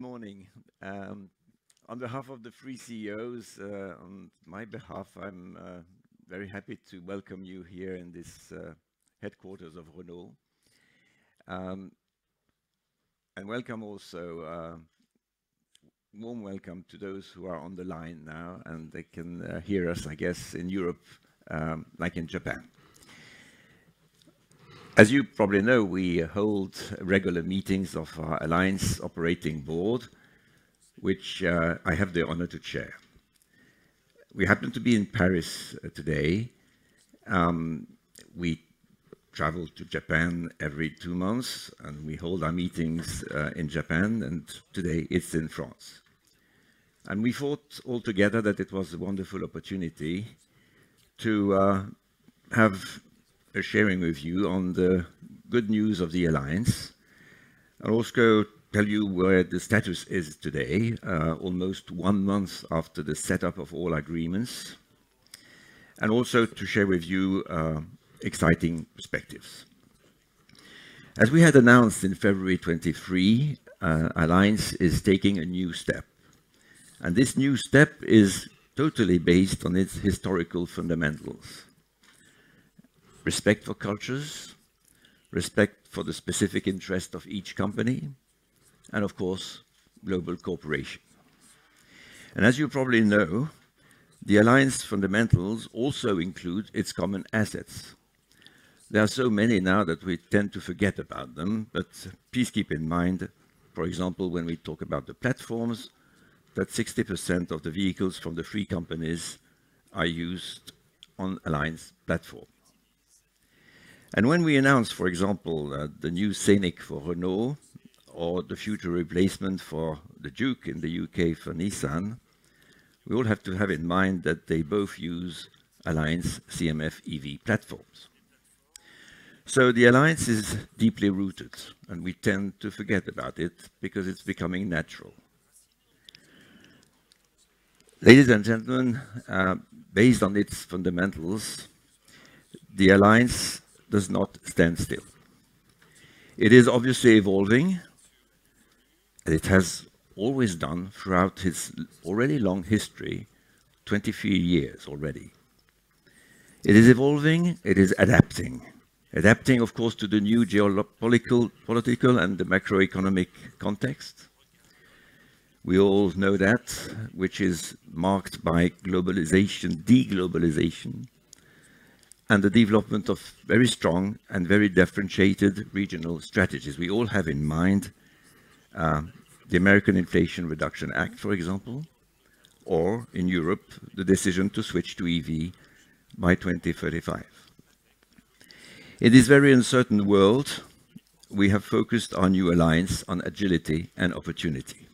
Good morning. On behalf of the three CEOs, on my behalf, I'm very happy to welcome you here in this headquarters of Renault, and welcome also, warm welcome to those who are on the line now, and they can hear us, I guess, in Europe, like in Japan. As you probably know, we hold regular meetings of our Alliance Operating Board, which I have the honor to chair. We happen to be in Paris today. We travel to Japan every two months, and we hold our meetings in Japan, and today it's in France. We thought all together that it was a wonderful opportunity to have a sharing with you on the good news of the Alliance, and also tell you where the status is today, almost one month after the setup of all agreements, and also to share with you exciting perspectives. As we had announced in February 2023, Alliance is taking a new step, and this new step is totally based on its historical fundamentals: respect for cultures, respect for the specific interest of each company, and of course, global cooperation. As you probably know, the Alliance fundamentals also include its common assets. There are so many now that we tend to forget about them, but please keep in mind, for example, when we talk about the platforms, that 60% of the vehicles from the three companies are used on Alliance platform. When we announce, for example, the new Scenic for Renault or the future replacement for the Juke in the U.K. for Nissan, we all have to have in mind that they both use Alliance CMF-EV platforms. So the Alliance is deeply rooted, and we tend to forget about it because it's becoming natural. Ladies and gentlemen, based on its fundamentals, the Alliance does not stand still. It is obviously evolving, and it has always done throughout its already long history, 23 years already. It is evolving, it is adapting. Adapting, of course, to the new geopolitical, political, and the macroeconomic context. We all know that, which is marked by globalization, de-globalization, and the development of very strong and very differentiated regional strategies. We all have in mind the American Inflation Reduction Act, for example, or in Europe, the decision to switch to EV by 2035. In this very uncertain world, we have focused our new Alliance on agility and opportunity.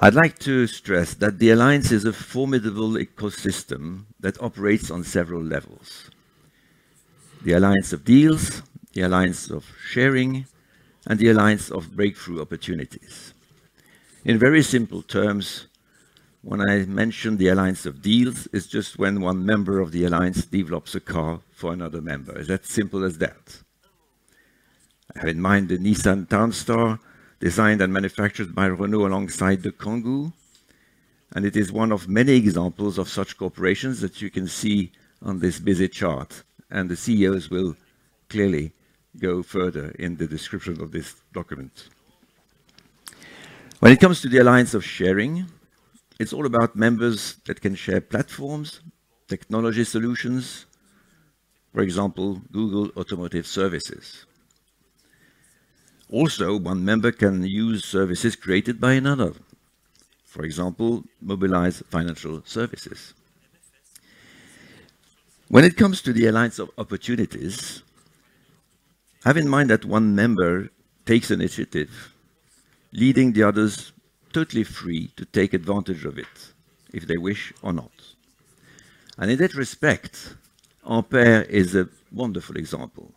I'd like to stress that the Alliance is a formidable ecosystem that operates on several levels: the Alliance of deals, the Alliance of sharing, and the Alliance of breakthrough opportunities. In very simple terms, when I mention the Alliance of deals, it's just when one member of the Alliance develops a car for another member. It's as simple as that. Have in mind the Nissan Townstar, designed and manufactured by Renault alongside the Kangoo, and it is one of many examples of such cooperations that you can see on this busy chart, and the CEOs will clearly go further in the description of this document. When it comes to the Alliance of sharing, it's all about members that can share platforms, technology solutions, for example, Google Automotive Services. Also, one member can use services created by another, for example, Mobilize Financial Services. When it comes to the Alliance of opportunities, have in mind that one member takes initiative, leading the others totally free to take advantage of it, if they wish or not. In that respect, Ampere is a wonderful example,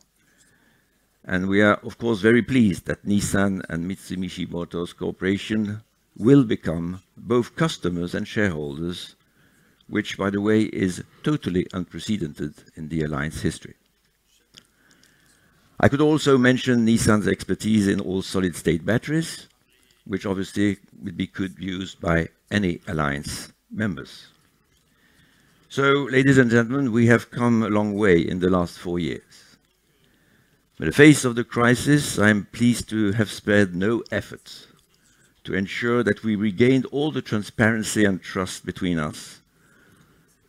and we are, of course, very pleased that Nissan and Mitsubishi Motors Corporation will become both customers and shareholders, which, by the way, is totally unprecedented in the Alliance history. I could also mention Nissan's expertise in all-solid-state batteries, which obviously could be used by any Alliance members. So, ladies and gentlemen, we have come a long way in the last four years. In the face of the crisis, I am pleased to have spared no efforts to ensure that we regained all the transparency and trust between us.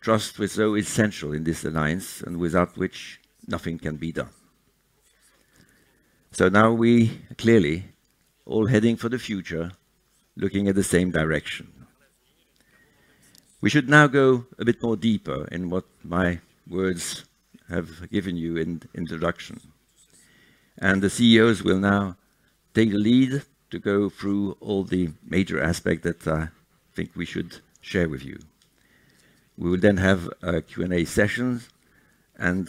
Trust was so essential in this Alliance, and without which nothing can be done. So now we clearly all heading for the future, looking at the same direction. We should now go a bit more deeper in what my words have given you in introduction. And the CEOs will now take the lead to go through all the major aspect that I think we should share with you. We will then have a Q&A session, and,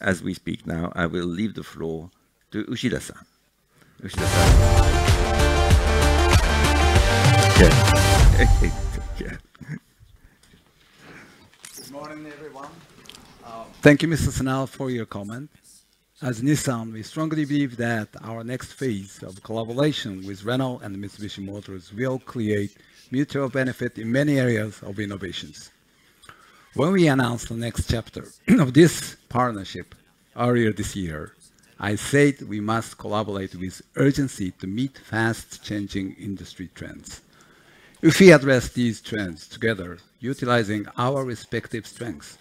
as we speak now, I will leave the floor to Uchida-san. Uchida-san? Okay. Morning, everyone. Thank you, Mr. Senard, for your comments. As Nissan, we strongly believe that our next phase of collaboration with Renault and Mitsubishi Motors will create mutual benefit in many areas of innovations. When we announced the next chapter of this partnership earlier this year, I said we must collaborate with urgency to meet fast-changing industry trends. If we address these trends together, utilizing our respective strengths,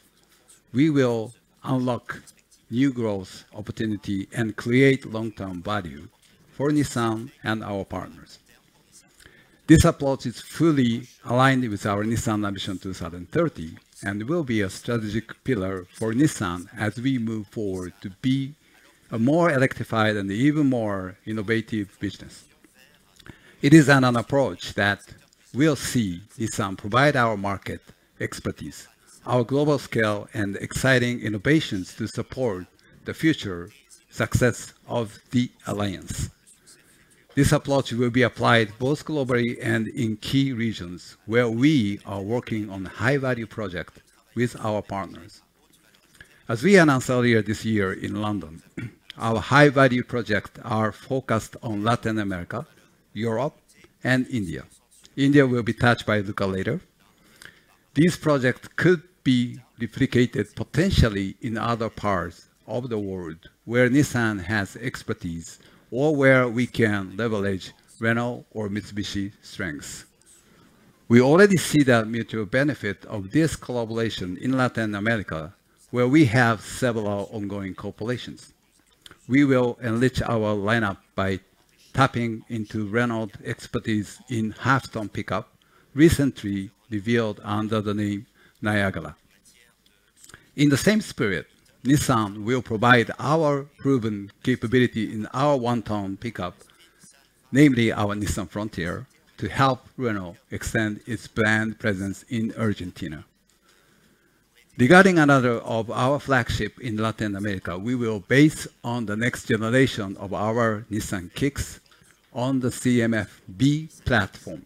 we will unlock new growth opportunity and create long-term value for Nissan and our partners. This approach is fully aligned with our Nissan Ambition 2030, and will be a strategic pillar for Nissan as we move forward to be a more electrified and even more innovative business. It is an approach that will see Nissan provide our market expertise, our global scale, and exciting innovations to support the future success of the Alliance. This approach will be applied both globally and in key regions, where we are working on high-value projects with our partners. As we announced earlier this year in London, our high-value projects are focused on Latin America, Europe, and India. India will be touched by Luca later. These projects could be replicated potentially in other parts of the world where Nissan has expertise, or where we can leverage Renault or Mitsubishi strengths. We already see the mutual benefit of this collaboration in Latin America, where we have several ongoing collaborations. We will enrich our lineup by tapping into Renault expertise in half-ton pickup, recently revealed under the name Niagara. In the same spirit, Nissan will provide our proven capability in our one-ton pickup, namely our Nissan Frontier, to help Renault extend its brand presence in Argentina. Regarding another of our flagship in Latin America, we will base on the next generation of our Nissan Kicks on the CMF-B platform.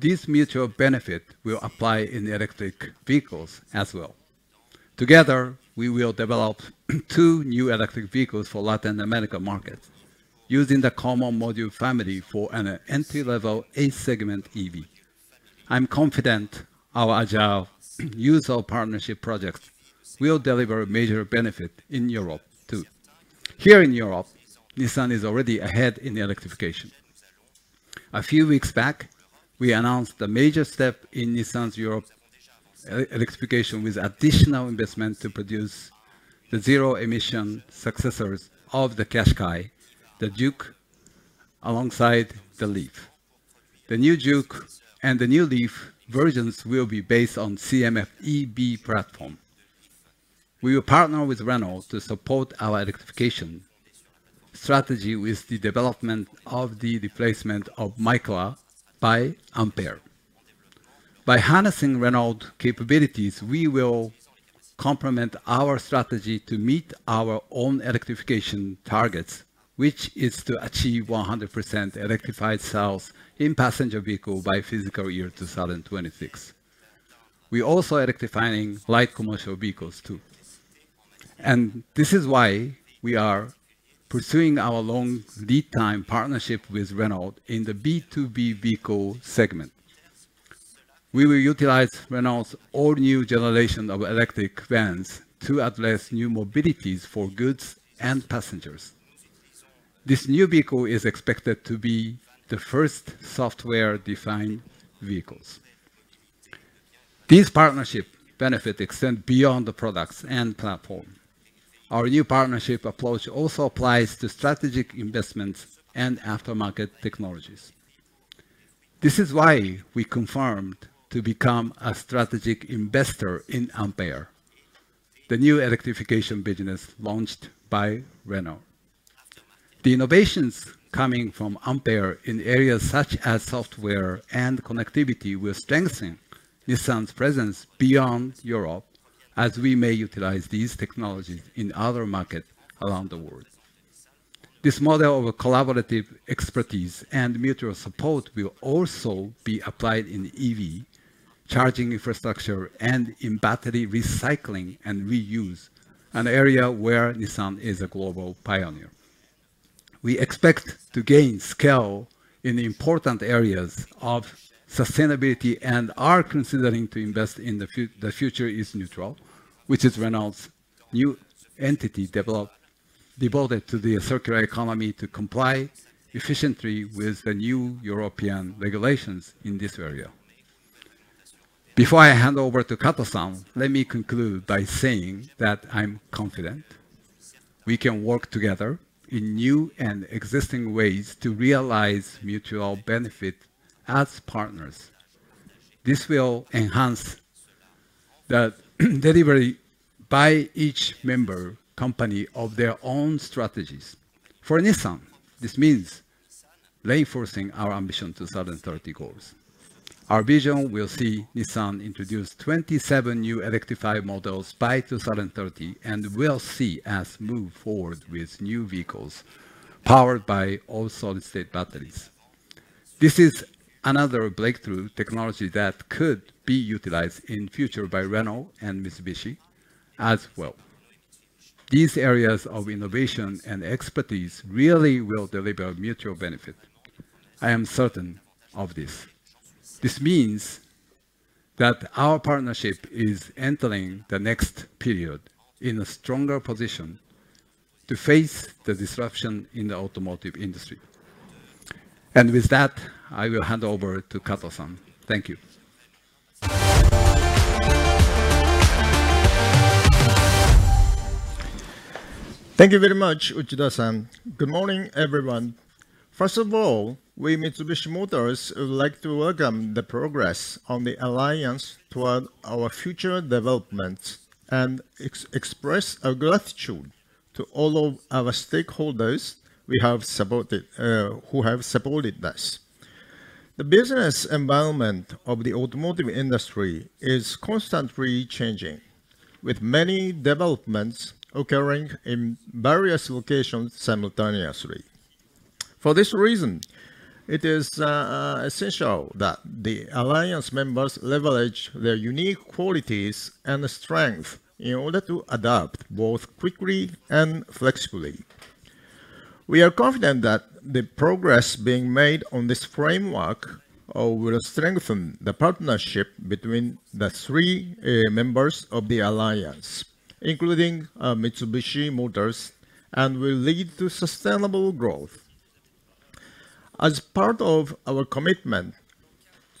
This mutual benefit will apply in electric vehicles as well. Together, we will develop two new electric vehicles for Latin America markets, using the Common Module Family for an entry-level A-segment EV. I'm confident our Alliance partnership projects will deliver a major benefit in Europe, too. Here in Europe, Nissan is already ahead in the electrification. A few weeks back, we announced a major step in Nissan's Europe electrification, with additional investment to produce the zero-emission successors of the Qashqai, the Juke, alongside the Leaf. The new Juke and the new Leaf versions will be based on CMF-EV platform. We will partner with Renault to support our electrification strategy with the development of the replacement of Micra by Ampere. By harnessing Renault capabilities, we will complement our strategy to meet our own electrification targets, which is to achieve 100% electrified sales in passenger vehicle by fiscal year 2026. We're also electrifying light commercial vehicles, too. This is why we are pursuing our long lead time partnership with Renault in the B2B vehicle segment. We will utilize Renault's all-new generation of electric vans to address new mobilities for goods and passengers. This new vehicle is expected to be the first software-defined vehicles. This partnership benefit extend beyond the products and platform. Our new partnership approach also applies to strategic investments and aftermarket technologies. This is why we confirmed to become a strategic investor in Ampere, the new electrification business launched by Renault. The innovations coming from Ampere in areas such as software and connectivity, will strengthen Nissan's presence beyond Europe, as we may utilize these technologies in other markets around the world. This model of a collaborative expertise and mutual support will also be applied in EV charging infrastructure and in battery recycling and reuse, an area where Nissan is a global pioneer. We expect to gain scale in the important areas of sustainability, and are considering to invest in The Future Is NEUTRAL, which is Renault's new entity devoted to the circular economy, to comply efficiently with the new European regulations in this area. Before I hand over to Kato-san, let me conclude by saying that I'm confident we can work together in new and existing ways to realize mutual benefit as partners. This will enhance the delivery by each member company of their own strategies. For Nissan, this means reinforcing our Ambition 2030 goals. Our vision will see Nissan introduce 27 new electrified models by 2030, and will see us move forward with new vehicles powered by all-solid-state batteries.... This is another breakthrough technology that could be utilized in future by Renault and Mitsubishi as well. These areas of innovation and expertise really will deliver mutual benefit. I am certain of this. This means that our partnership is entering the next period in a stronger position to face the disruption in the automotive industry. And with that, I will hand over to Kato-san. Thank you. Thank you very much, Uchida-san. Good morning, everyone. First of all, we, Mitsubishi Motors, would like to welcome the progress on the Alliance toward our future development and express our gratitude to all of our stakeholders who have supported us. The business environment of the automotive industry is constantly changing, with many developments occurring in various locations simultaneously. For this reason, it is essential that the Alliance members leverage their unique qualities and strength in order to adapt both quickly and flexibly. We are confident that the progress being made on this framework will strengthen the partnership between the three members of the Alliance, including Mitsubishi Motors, and will lead to sustainable growth. As part of our commitment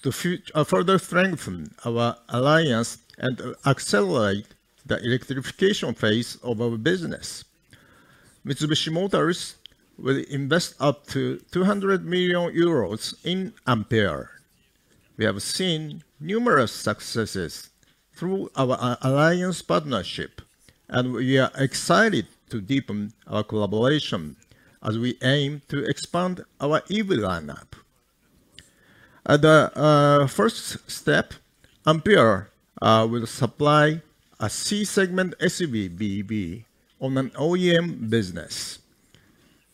to further strengthen our Alliance and accelerate the electrification phase of our business, Mitsubishi Motors will invest up to 200 million euros in Ampere. We have seen numerous successes through our Alliance partnership, and we are excited to deepen our collaboration as we aim to expand our EV lineup. At the first step, Ampere will supply a C-segment SUV BEV on an OEM business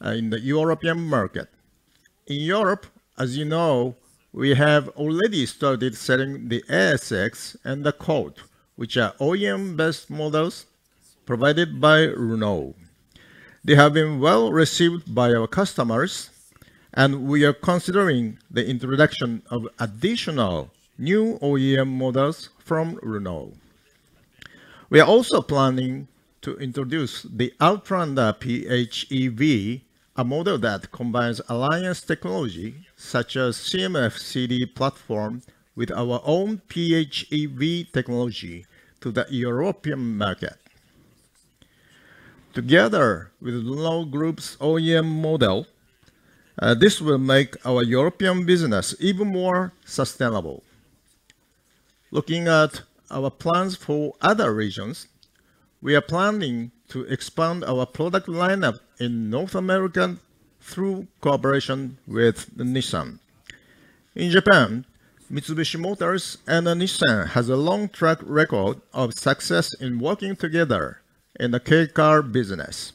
in the European market. In Europe, as you know, we have already started selling the ASX and the Colt, which are OEM-based models provided by Renault. They have been well-received by our customers, and we are considering the introduction of additional new OEM models from Renault. We are also planning to introduce the Outlander PHEV, a model that combines Alliance technology, such as CMF-CD platform, with our own PHEV technology to the European market. Together with Renault Group's OEM model, this will make our European business even more sustainable. Looking at our plans for other regions, we are planning to expand our product lineup in North America through cooperation with Nissan. In Japan, Mitsubishi Motors and Nissan has a long track record of success in working together in the kei car business.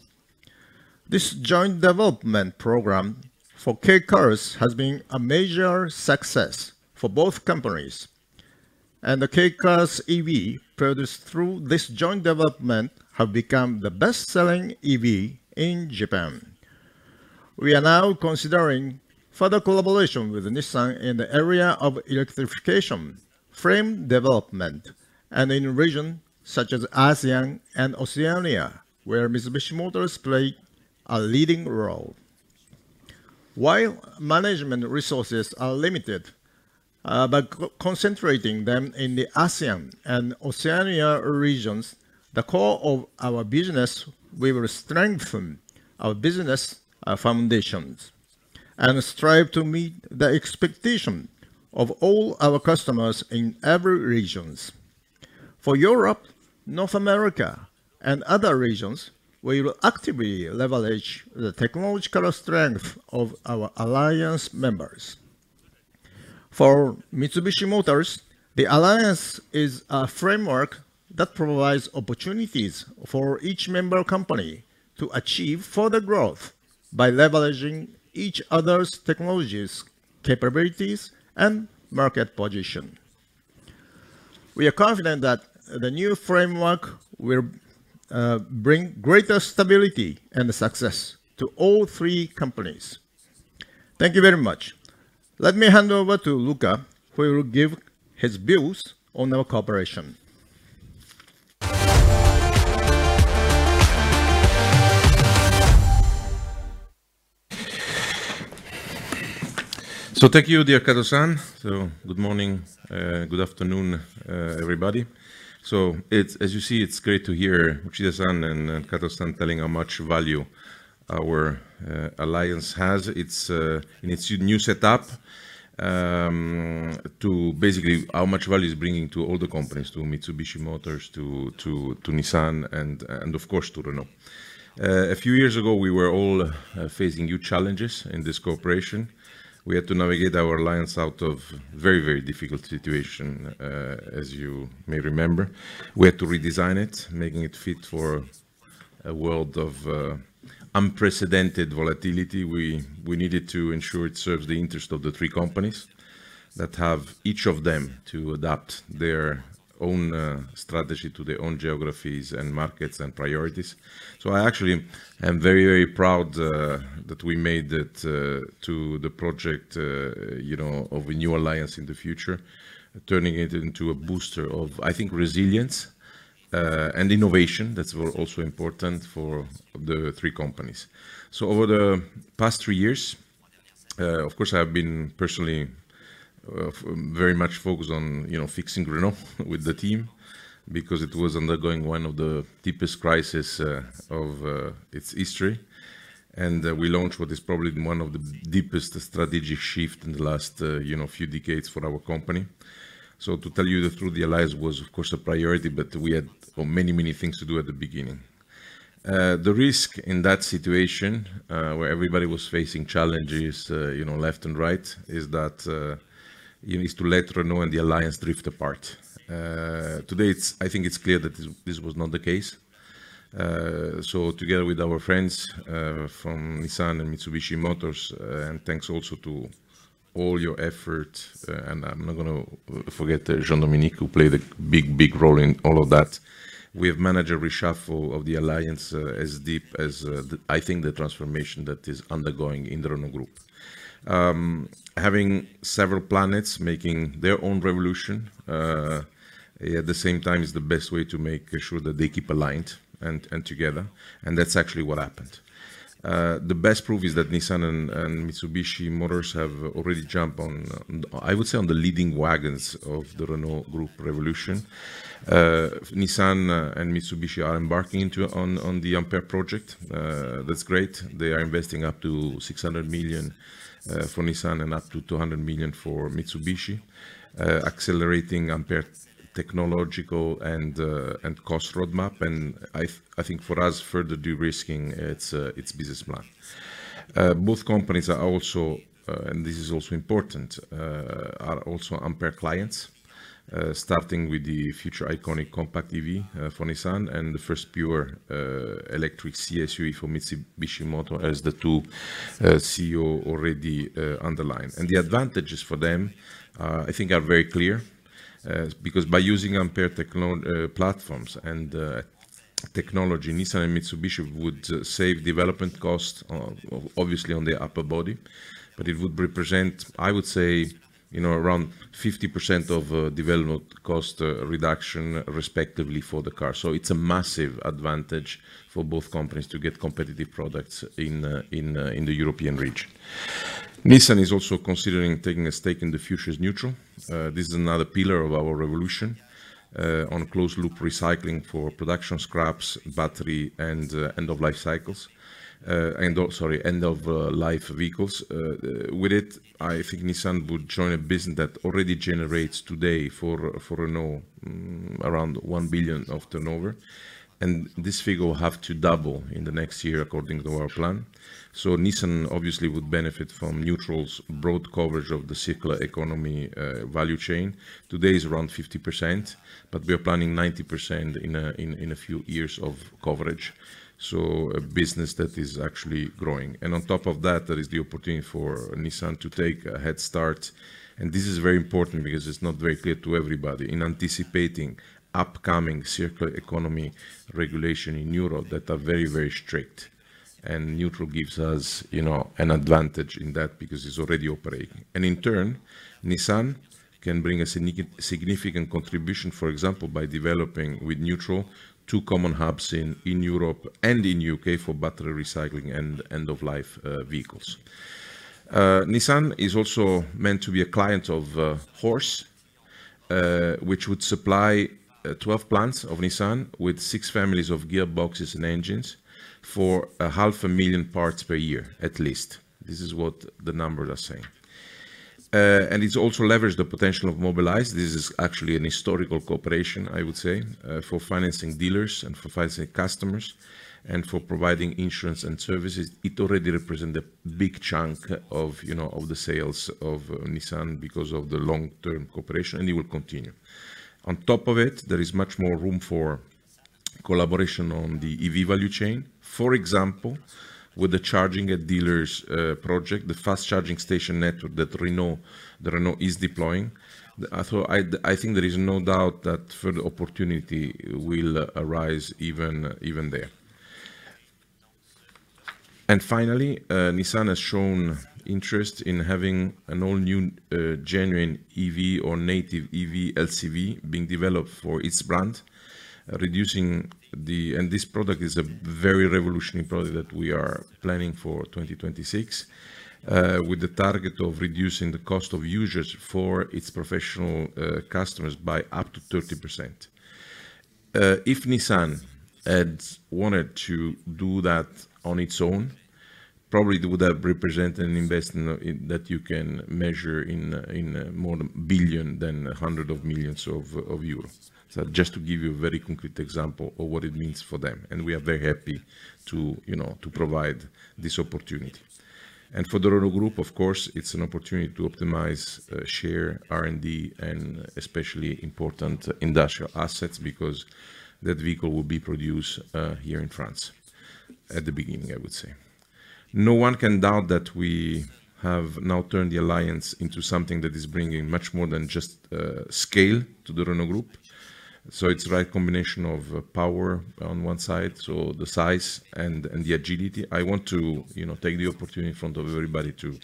This joint development program for kei cars has been a major success for both companies, and the kei cars EV produced through this joint development have become the best-selling EV in Japan. We are now considering further collaboration with Nissan in the area of electrification, frame development, and in region such as ASEAN and Oceania, where Mitsubishi Motors play a leading role. While management resources are limited, by concentrating them in the ASEAN and Oceania regions, the core of our business, we will strengthen our business foundations and strive to meet the expectation of all our customers in every regions. For Europe, North America, and other regions, we will actively leverage the technological strength of our Alliance members. For Mitsubishi Motors, the Alliance is a framework that provides opportunities for each member company to achieve further growth by leveraging each other's technologies, capabilities, and market position. We are confident that the new framework will bring greater stability and success to all three companies. Thank you very much. Let me hand over to Luca, who will give his views on our cooperation. Thank you, dear Kato-san. Good morning, good afternoon, everybody. As you see, it's great to hear Uchida-san and Kato-san telling how much value our Alliance has. It's in its new setup to basically how much value it's bringing to all the companies, to Mitsubishi Motors, to Nissan, and of course, to Renault. A few years ago, we were all facing new challenges in this cooperation. We had to navigate our Alliance out of very difficult situation, as you may remember. We had to redesign it, making it fit for a world of unprecedented volatility. We needed to ensure it serves the interest of the three companies that have each of them to adapt their own strategy to their own geographies and markets, and priorities. So I actually am very, very proud that we made it to the project you know of a new Alliance in the future, turning it into a booster of, I think, resilience and innovation. That's where also important for the three companies. So over the past three years of course I've been personally very much focused on you know fixing Renault with the team because it was undergoing one of the deepest crises of its history. We launched what is probably one of the deepest strategic shifts in the last you know few decades for our company. So to tell you the truth, the Alliance was of course a priority, but we had many many things to do at the beginning. The risk in that situation, where everybody was facing challenges, you know, left and right, is that you need to let Renault and the Alliance drift apart. Today, it's, I think it's clear that this, this was not the case. So together with our friends from Nissan and Mitsubishi Motors, and thanks also to all your effort, and I'm not gonna forget Jean-Dominique, who played a big, big role in all of that. We have managed a reshuffle of the Alliance, as deep as the, I think the transformation that is undergoing in the Renault Group. Having several planets making their own revolution at the same time is the best way to make sure that they keep aligned and, and together, and that's actually what happened. The best proof is that Nissan and Mitsubishi Motors have already jumped on, I would say, on the leading wagons of the Renault Group revolution. Nissan and Mitsubishi are embarking on the Ampere project. That's great. They are investing up to 600 million for Nissan and up to 200 million for Mitsubishi. Accelerating Ampere technological and cost roadmap, and I think for us, further de-risking its business plan. Both companies are also, and this is also important, are also Ampere clients. Starting with the future iconic compact EV for Nissan and the first pure electric C-SUV for Mitsubishi Motors, as the two CEO already underlined. The advantages for them, I think are very clear, because by using Ampere platforms and technology, Nissan and Mitsubishi would save development costs, obviously on the upper body. But it would represent, I would say, you know, around 50% of development cost reduction respectively for the car. It's a massive advantage for both companies to get competitive products in the European region. Nissan is also considering taking a stake in The Future Is NEUTRAL. This is another pillar of our Renaulution on closed-loop recycling for production scraps, battery, and end-of-life vehicles. With it, I think Nissan would join a business that already generates today for Renault around 1 billion of turnover, and this figure will have to double in the next year, according to our plan. So Nissan obviously would benefit from Neutral's broad coverage of the circular economy value chain. Today is around 50%, but we are planning 90% in a few years of coverage, so a business that is actually growing. On top of that, there is the opportunity for Nissan to take a head start. This is very important because it's not very clear to everybody in anticipating upcoming circular economy regulation in Europe that are very, very strict. Neutral gives us, you know, an advantage in that because it's already operating. In turn, Nissan can bring a significant contribution, for example, by developing with Neutral, two common hubs in Europe and in U.K. for battery recycling and end-of-life vehicles. Nissan is also meant to be a client of HORSE, which would supply 12 plants of Nissan with 6 families of gearboxes and engines for 500,000 parts per year, at least. This is what the numbers are saying. And it's also leveraged the potential of Mobilize. This is actually an historical cooperation, I would say, for financing dealers and for financing customers, and for providing insurance and services. It already represent a big chunk of, you know, of the sales of Nissan because of the long-term cooperation, and it will continue. On top of it, there is much more room for collaboration on the EV value chain. For example, with the charging at dealers project, the fast charging station network that Renault is deploying. So I think there is no doubt that further opportunity will arise even there. And finally, Nissan has shown interest in having an all-new genuine EV or native EV LCV being developed for its brand, reducing the. And this product is a very revolutionary product that we are planning for 2026. With the target of reducing the cost of usage for its professional customers by up to 30%. If Nissan had wanted to do that on its own, probably it would have represented an investment that you can measure in more billion than hundreds of millions of EUR. So just to give you a very concrete example of what it means for them, and we are very happy to, you know, to provide this opportunity. And for the Renault Group, of course, it's an opportunity to optimize, share R&D and especially important industrial assets, because that vehicle will be produced, here in France, at the beginning, I would say.... No one can doubt that we have now turned the Alliance into something that is bringing much more than just, scale to the Renault Group. So it's the right combination of, power on one side, so the size and, and the agility. I want to, you know, take the opportunity in front of everybody to,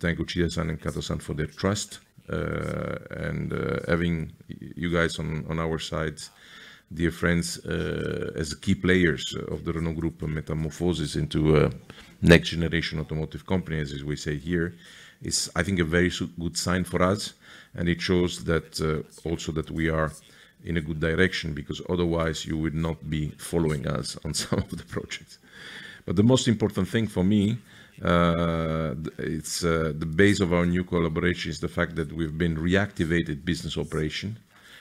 thank Uchida-san and Kato-san for their trust. And having you guys on our side, dear friends, as key players of the Renault Group metamorphosis into a next-generation automotive company, as we say here, is, I think, a very good sign for us, and it shows that also that we are in a good direction, because otherwise you would not be following us on some of the projects. But the most important thing for me, the... It's the base of our new collaboration is the fact that we've been reactivated business operation.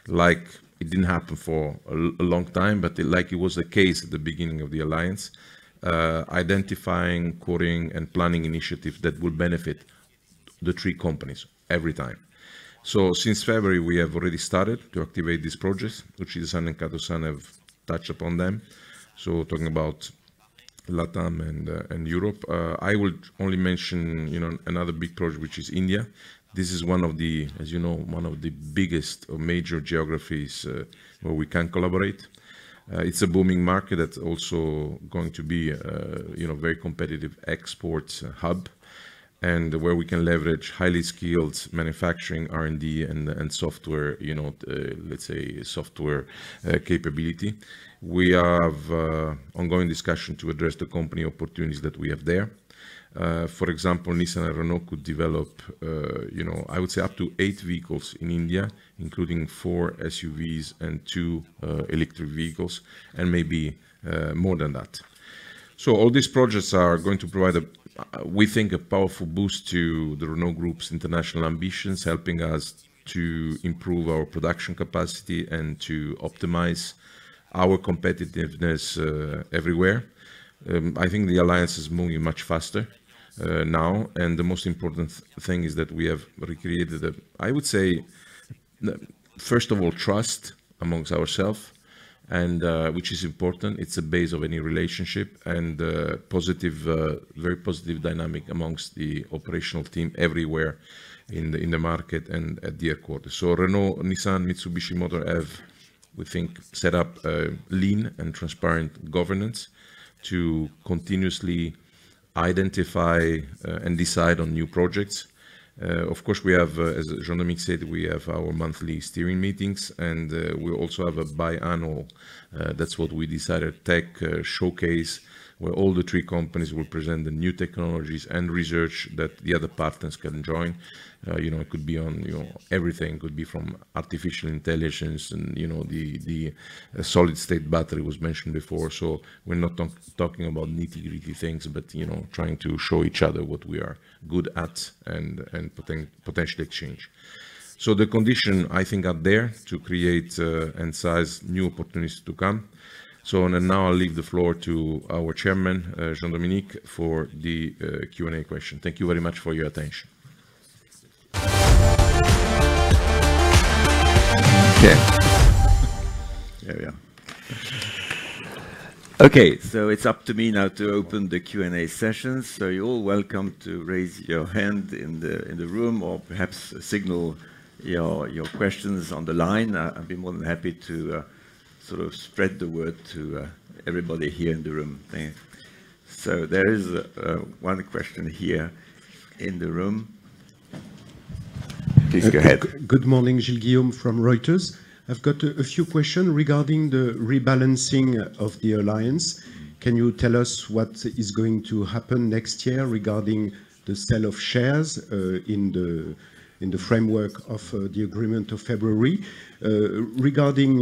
Like, it didn't happen for a long time, but like it was the case at the beginning of the Alliance, identifying, quoting, and planning initiative that would benefit the three companies every time. So since February, we have already started to activate these projects, which Uchida-san and Kato-san have touched upon them. So talking about LATAM and and Europe, I would only mention, you know, another big project, which is India. This is one of the, as you know, one of the biggest or major geographies, where we can collaborate. It's a booming market that's also going to be, you know, very competitive exports hub, and where we can leverage highly skilled manufacturing, R&D, and and software, you know, let's say, software, capability. We have ongoing discussion to address the company opportunities that we have there. For example, Nissan and Renault could develop, you know, I would say, up to eight vehicles in India, including four SUVs and two electric vehicles, and maybe, more than that. So all these projects are going to provide a, we think, a powerful boost to the Renault Group's international ambitions, helping us to improve our production capacity and to optimize our competitiveness, everywhere. I think the Alliance is moving much faster, now, and the most important thing is that we have recreated a... I would say, first of all, trust amongst ourselves, and, which is important, it's a base of any relationship, and, positive, very positive dynamic amongst the operational team everywhere in the, in the market and at the headquarters. So Renault, Nissan, Mitsubishi Motors have, we think, set up a lean and transparent governance to continuously identify, and decide on new projects. Of course, we have, as Jean-Dominique said, we have our monthly steering meetings, and we also have a biannual, that's what we decided, tech showcase, where all the three companies will present the new technologies and research that the other partners can join. You know, it could be on, you know, everything. It could be from artificial intelligence, and, you know, the, the solid-state battery was mentioned before. So we're not talking about nitty-gritty things, but, you know, trying to show each other what we are good at and potentially exchange. So the condition, I think, are there to create and seize new opportunities to come. So and now I'll leave the floor to our chairman, Jean-Dominique, for the Q&A question. Thank you very much for your attention. Okay. There we are. Okay, so it's up to me now to open the Q&A session. So you're all welcome to raise your hand in the room or perhaps signal your questions on the line. I'd be more than happy to sort of spread the word to everybody here in the room. Thank you. So there is one question here in the room. Please go ahead. Good morning. Gilles Guillaume from Reuters. I've got a few questions regarding the rebalancing of the Alliance. Can you tell us what is going to happen next year regarding the sale of shares in the framework of the agreement of February? Regarding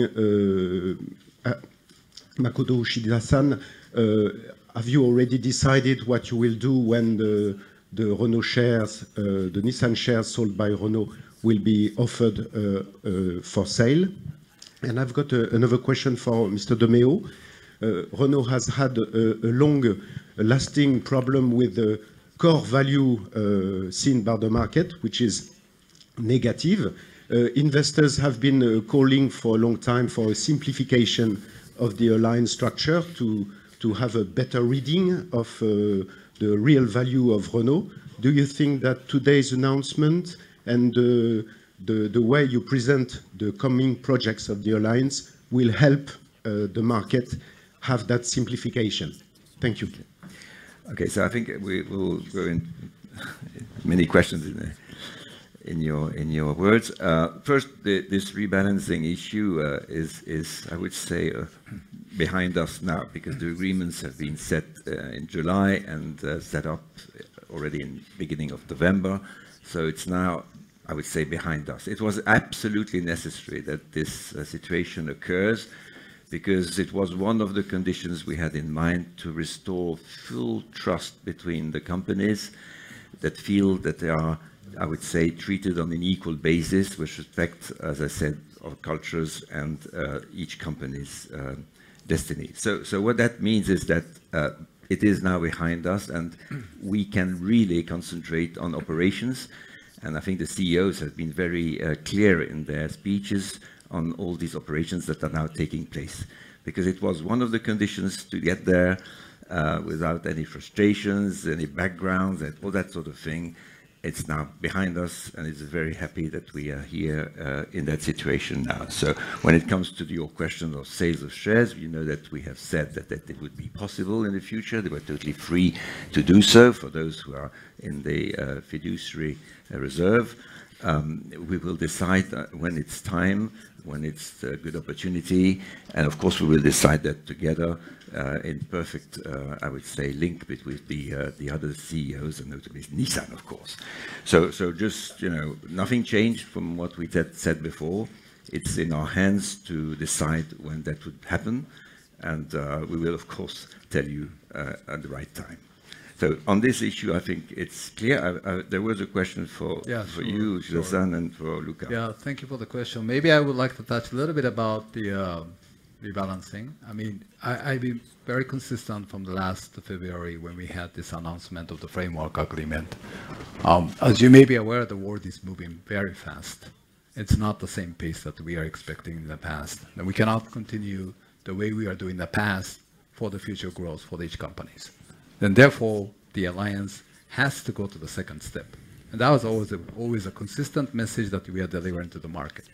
Makoto Uchida-san, have you already decided what you will do when the Renault shares, the Nissan shares sold by Renault will be offered for sale? And I've got another question for Mr. de Meo. Renault has had a long-lasting problem with the core value seen by the market, which is negative. Investors have been calling for a long time for a simplification of the Alliance structure to have a better reading of the real value of Renault. Do you think that today's announcement and the way you present the coming projects of the Alliance will help the market have that simplification? Thank you. Okay, so I think we will go in. Many questions in your words. First, this rebalancing issue is, I would say, behind us now, because the agreements have been set in July and set up already in beginning of November. So it's now, I would say, behind us. It was absolutely necessary that this situation occurs because it was one of the conditions we had in mind to restore full trust between the companies that feel that they are, I would say, treated on an equal basis, which respects, as I said, our cultures and each company's destiny. So what that means is that it is now behind us, and we can really concentrate on operations. I think the CEOs have been very clear in their speeches on all these operations that are now taking place, because it was one of the conditions to get there, without any frustrations, any backgrounds, and all that sort of thing. It's now behind us, and it's very happy that we are here, in that situation now. So when it comes to your question of sales of shares, you know that we have said that it would be possible in the future. They were totally free to do so, for those who are in the Fiduciary reserve. We will decide when it's time, when it's a good opportunity, and of course, we will decide that together, in perfect, I would say, link between the other CEOs, and notably Nissan, of course. So just, you know, nothing changed from what we had said before. It's in our hands to decide when that would happen, and we will, of course, tell you at the right time. So on this issue, I think it's clear. There was a question for- Yeah, sure -for you, Uchida-san, and for Luca. Yeah. Thank you for the question. Maybe I would like to touch a little bit about the rebalancing. I mean, I've been very consistent from the last February when we had this announcement of the framework agreement. As you may be aware, the world is moving very fast. It's not the same pace that we are expecting in the past, and we cannot continue the way we are doing in the past for the future growth for each companies. And therefore, the Alliance has to go to the second step, and that was always a consistent message that we are delivering to the market.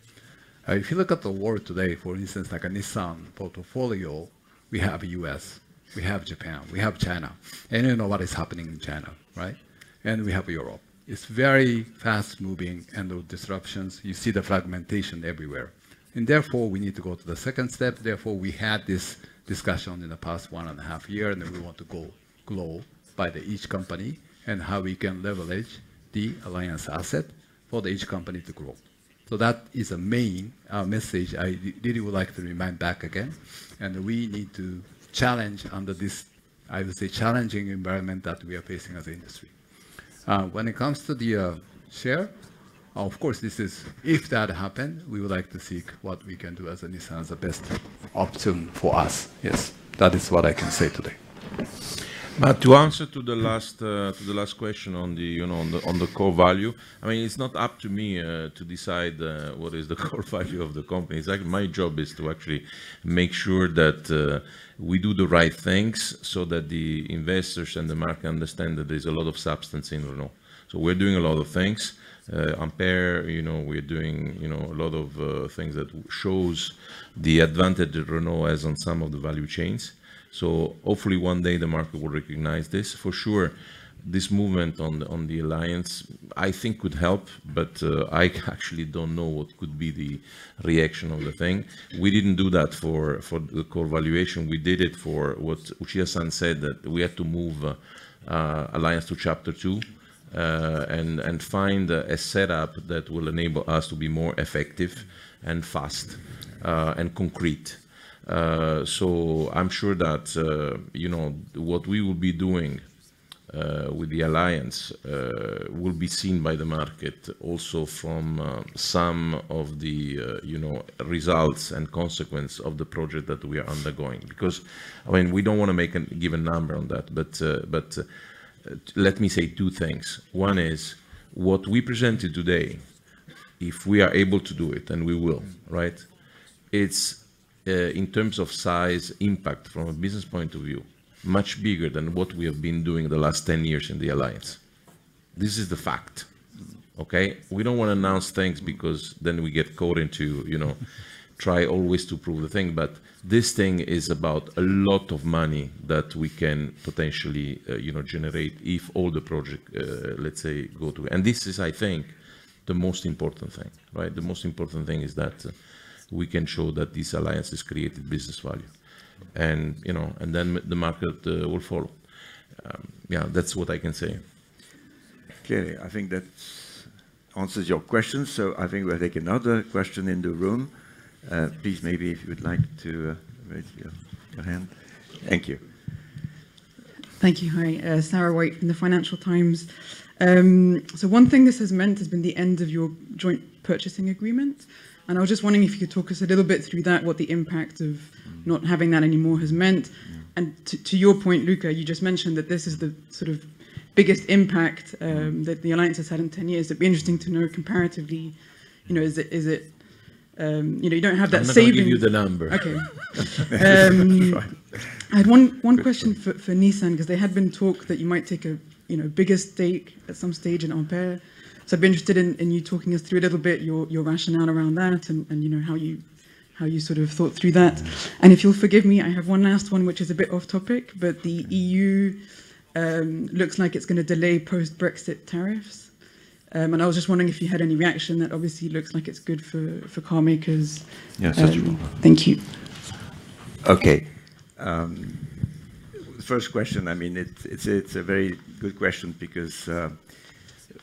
If you look at the world today, for instance, like a Nissan portfolio, we have U.S., we have Japan, we have China. And you know what is happening in China, right? And we have Europe. It's very fast-moving, and the disruptions, you see the fragmentation everywhere. Therefore, we need to go to the second step. Therefore, we had this discussion in the past 1.5 year, and then we want to go grow by the each company and how we can leverage the Alliance asset for the each company to grow. So that is the main message I really would like to remind back again, and we need to challenge under this, I would say, challenging environment that we are facing as an industry. When it comes to the share, of course, this is... If that happened, we would like to seek what we can do as a Nissan, the best option for us. Yes, that is what I can say today. But to answer the last question on the, you know, on the core value, I mean, it's not up to me to decide what is the core value of the company. It's like my job is to actually make sure that we do the right things so that the investors and the market understand that there's a lot of substance in Renault. So we're doing a lot of things. Ampere, you know, we're doing a lot of things that shows the advantage that Renault has on some of the value chains. So hopefully, one day the market will recognize this. For sure, this movement on the Alliance, I think, could help, but I actually don't know what could be the reaction of the thing. We didn't do that for the core valuation. We did it for what Uchida-san said, that we had to move Alliance to chapter two, and find a setup that will enable us to be more effective and fast, and concrete. So I'm sure that, you know, what we will be doing with the Alliance will be seen by the market also from some of the, you know, results and consequence of the project that we are undergoing. Because, I mean, we don't wanna make a, give a number on that, but let me say two things. One is, what we presented today, if we are able to do it, and we will, right? It's in terms of size, impact from a business point of view, much bigger than what we have been doing the last 10 years in the Alliance. This is the fact, okay? We don't wanna announce things because then we get caught into, you know, try always to prove the thing. But this thing is about a lot of money that we can potentially, you know, generate if all the project, let's say, go to... And this is, I think, the most important thing, right? The most important thing is that we can show that this Alliance has created business value, and, you know, and then the market will follow. Yeah, that's what I can say. Okay, I think that answers your question. So I think we'll take another question in the room. Please, maybe if you would like to raise your hand. Thank you. Thank you. Hi, Sarah White from The Financial Times. So one thing this has meant has been the end of your joint purchasing agreement, and I was just wondering if you could talk us a little bit through that, what the impact of not having that anymore has meant? Yeah. And to your point, Luca, you just mentioned that this is the sort of biggest impact that the Alliance has had in 10 years. It'd be interesting to know comparatively, you know, is it, you know, you don't have that same- I'm not gonna give you the number. Okay. Um- Fine. I had one question for Nissan, 'cause there had been talk that you might take a, you know, bigger stake at some stage in Ampere. So I'd be interested in you talking us through a little bit your rationale around that and, you know, how you sort of thought through that. Yeah. If you'll forgive me, I have one last one, which is a bit off topic, but the EU looks like it's gonna delay post-Brexit tariffs. I was just wondering if you had any reaction? That obviously looks like it's good for car makers. Yeah, sure. Thank you. Okay. First question, I mean, it's a very good question because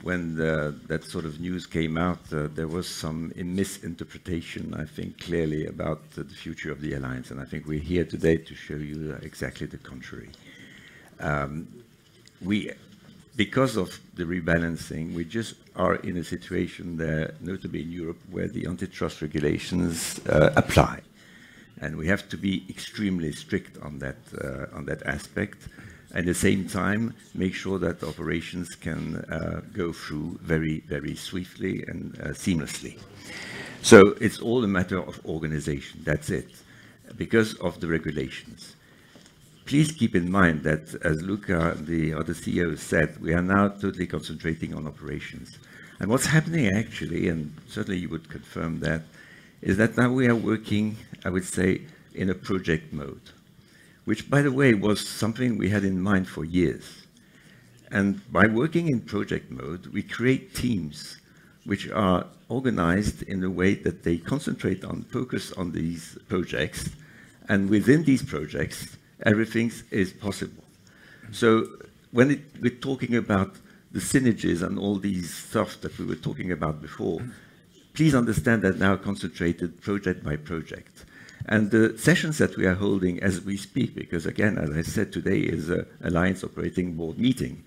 when that sort of news came out, there was some misinterpretation, I think, clearly about the future of the Alliance, and I think we're here today to show you exactly the contrary. Because of the rebalancing, we just are in a situation there, notably in Europe, where the antitrust regulations apply, and we have to be extremely strict on that aspect. At the same time, make sure that operations can go through very, very swiftly and seamlessly. So it's all a matter of organization. That's it. Because of the regulations, please keep in mind that as Luca, the CEO said, we are now totally concentrating on operations. And what's happening actually, and certainly you would confirm that, is that now we are working, I would say, in a project mode. Which, by the way, was something we had in mind for years. And by working in project mode, we create teams which are organized in a way that they concentrate on, focus on these projects, and within these projects, everything is possible. So when we're talking about the synergies and all these stuff that we were talking about before, please understand that now concentrated project by project. And the sessions that we are holding as we speak, because again, as I said, today is an Alliance Operating Board meeting.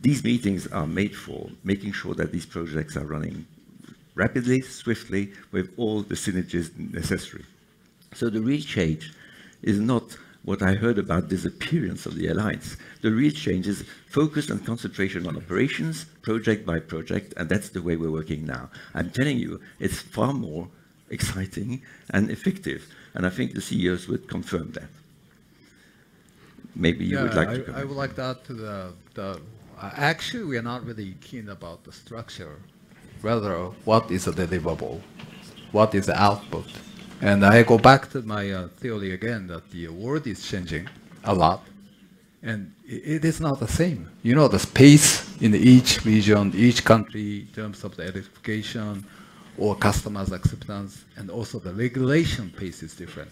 These meetings are made for making sure that these projects are running rapidly, swiftly, with all the synergies necessary. So the real change is not what I heard about disappearance of the Alliance. The real change is focus and concentration on operations, project by project, and that's the way we're working now. I'm telling you, it's far more exciting and effective, and I think the CEOs would confirm that. Maybe you would like to comment. Yeah, I would like to add to the... Actually, we are not really keen about the structure, rather what is deliverable, what is the output? And I go back to my theory again, that the world is changing a lot, and it is not the same. You know, the pace in each region, each country, in terms of the electrification or customers' acceptance, and also the regulation pace is different.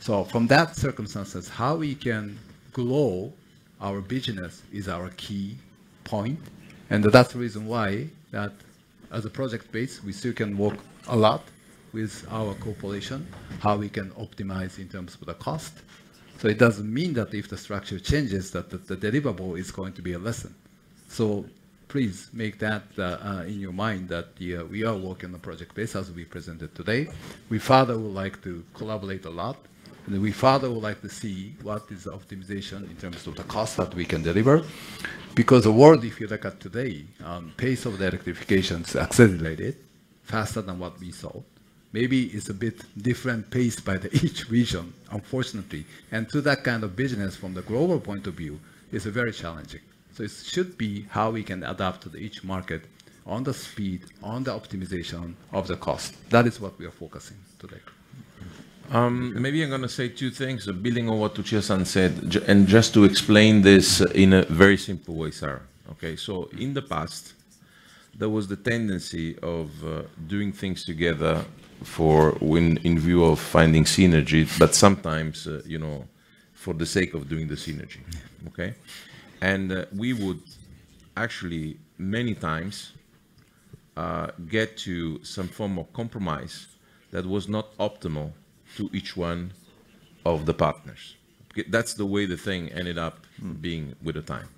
So from that circumstances, how we can grow our business is our key point, and that's the reason why that as a project base, we still can work a lot with our corporation, how we can optimize in terms of the cost. So it doesn't mean that if the structure changes, that the deliverable is going to be less than. So please make that, in your mind, that, we are working on project base, as we presented today. We further would like to collaborate a lot, and we further would like to see what is optimization in terms of the cost that we can deliver. Because the world, if you look at today, pace of the electrifications accelerated faster than what we thought. Maybe it's a bit different paced by the each region, unfortunately, and to that kind of business from the global point of view, is very challenging. So it should be how we can adapt to the each market on the speed, on the optimization of the cost. That is what we are focusing today. Maybe I'm gonna say two things, building on what Uchida said, and just to explain this in a very simple way, sir. Okay, so in the past, there was the tendency of doing things together for when in view of finding synergy, but sometimes, you know, for the sake of doing the synergy. Okay? We would actually many times get to some form of compromise that was not optimal to each one of the partners. That's the way the thing ended up- Mm... being with the time.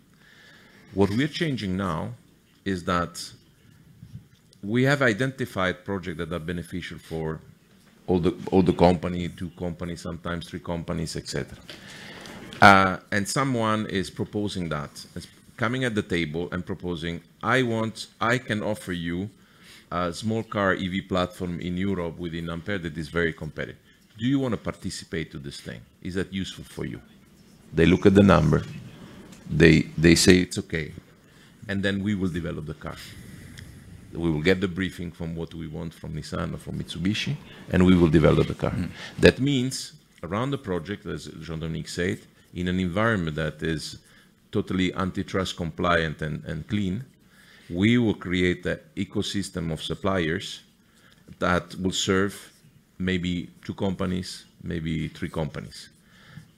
What we're changing now is that we have identified projects that are beneficial for all the companies, two companies, sometimes three companies, et cetera. And someone is proposing that. Someone is coming at the table and proposing: "I want... I can offer you a small car EV platform in Europe within Ampere that is very competitive. Do you want to participate to this thing? Is that useful for you?" They look at the numbers, they say, "It's okay," and then we will develop the car. We will get the briefing from what we want from Nissan or from Mitsubishi, and we will develop the car. Mm. That means around the project, as Jean-Dominique said, in an environment that is totally antitrust compliant and clean, we will create an ecosystem of suppliers that will serve maybe two companies, maybe three companies.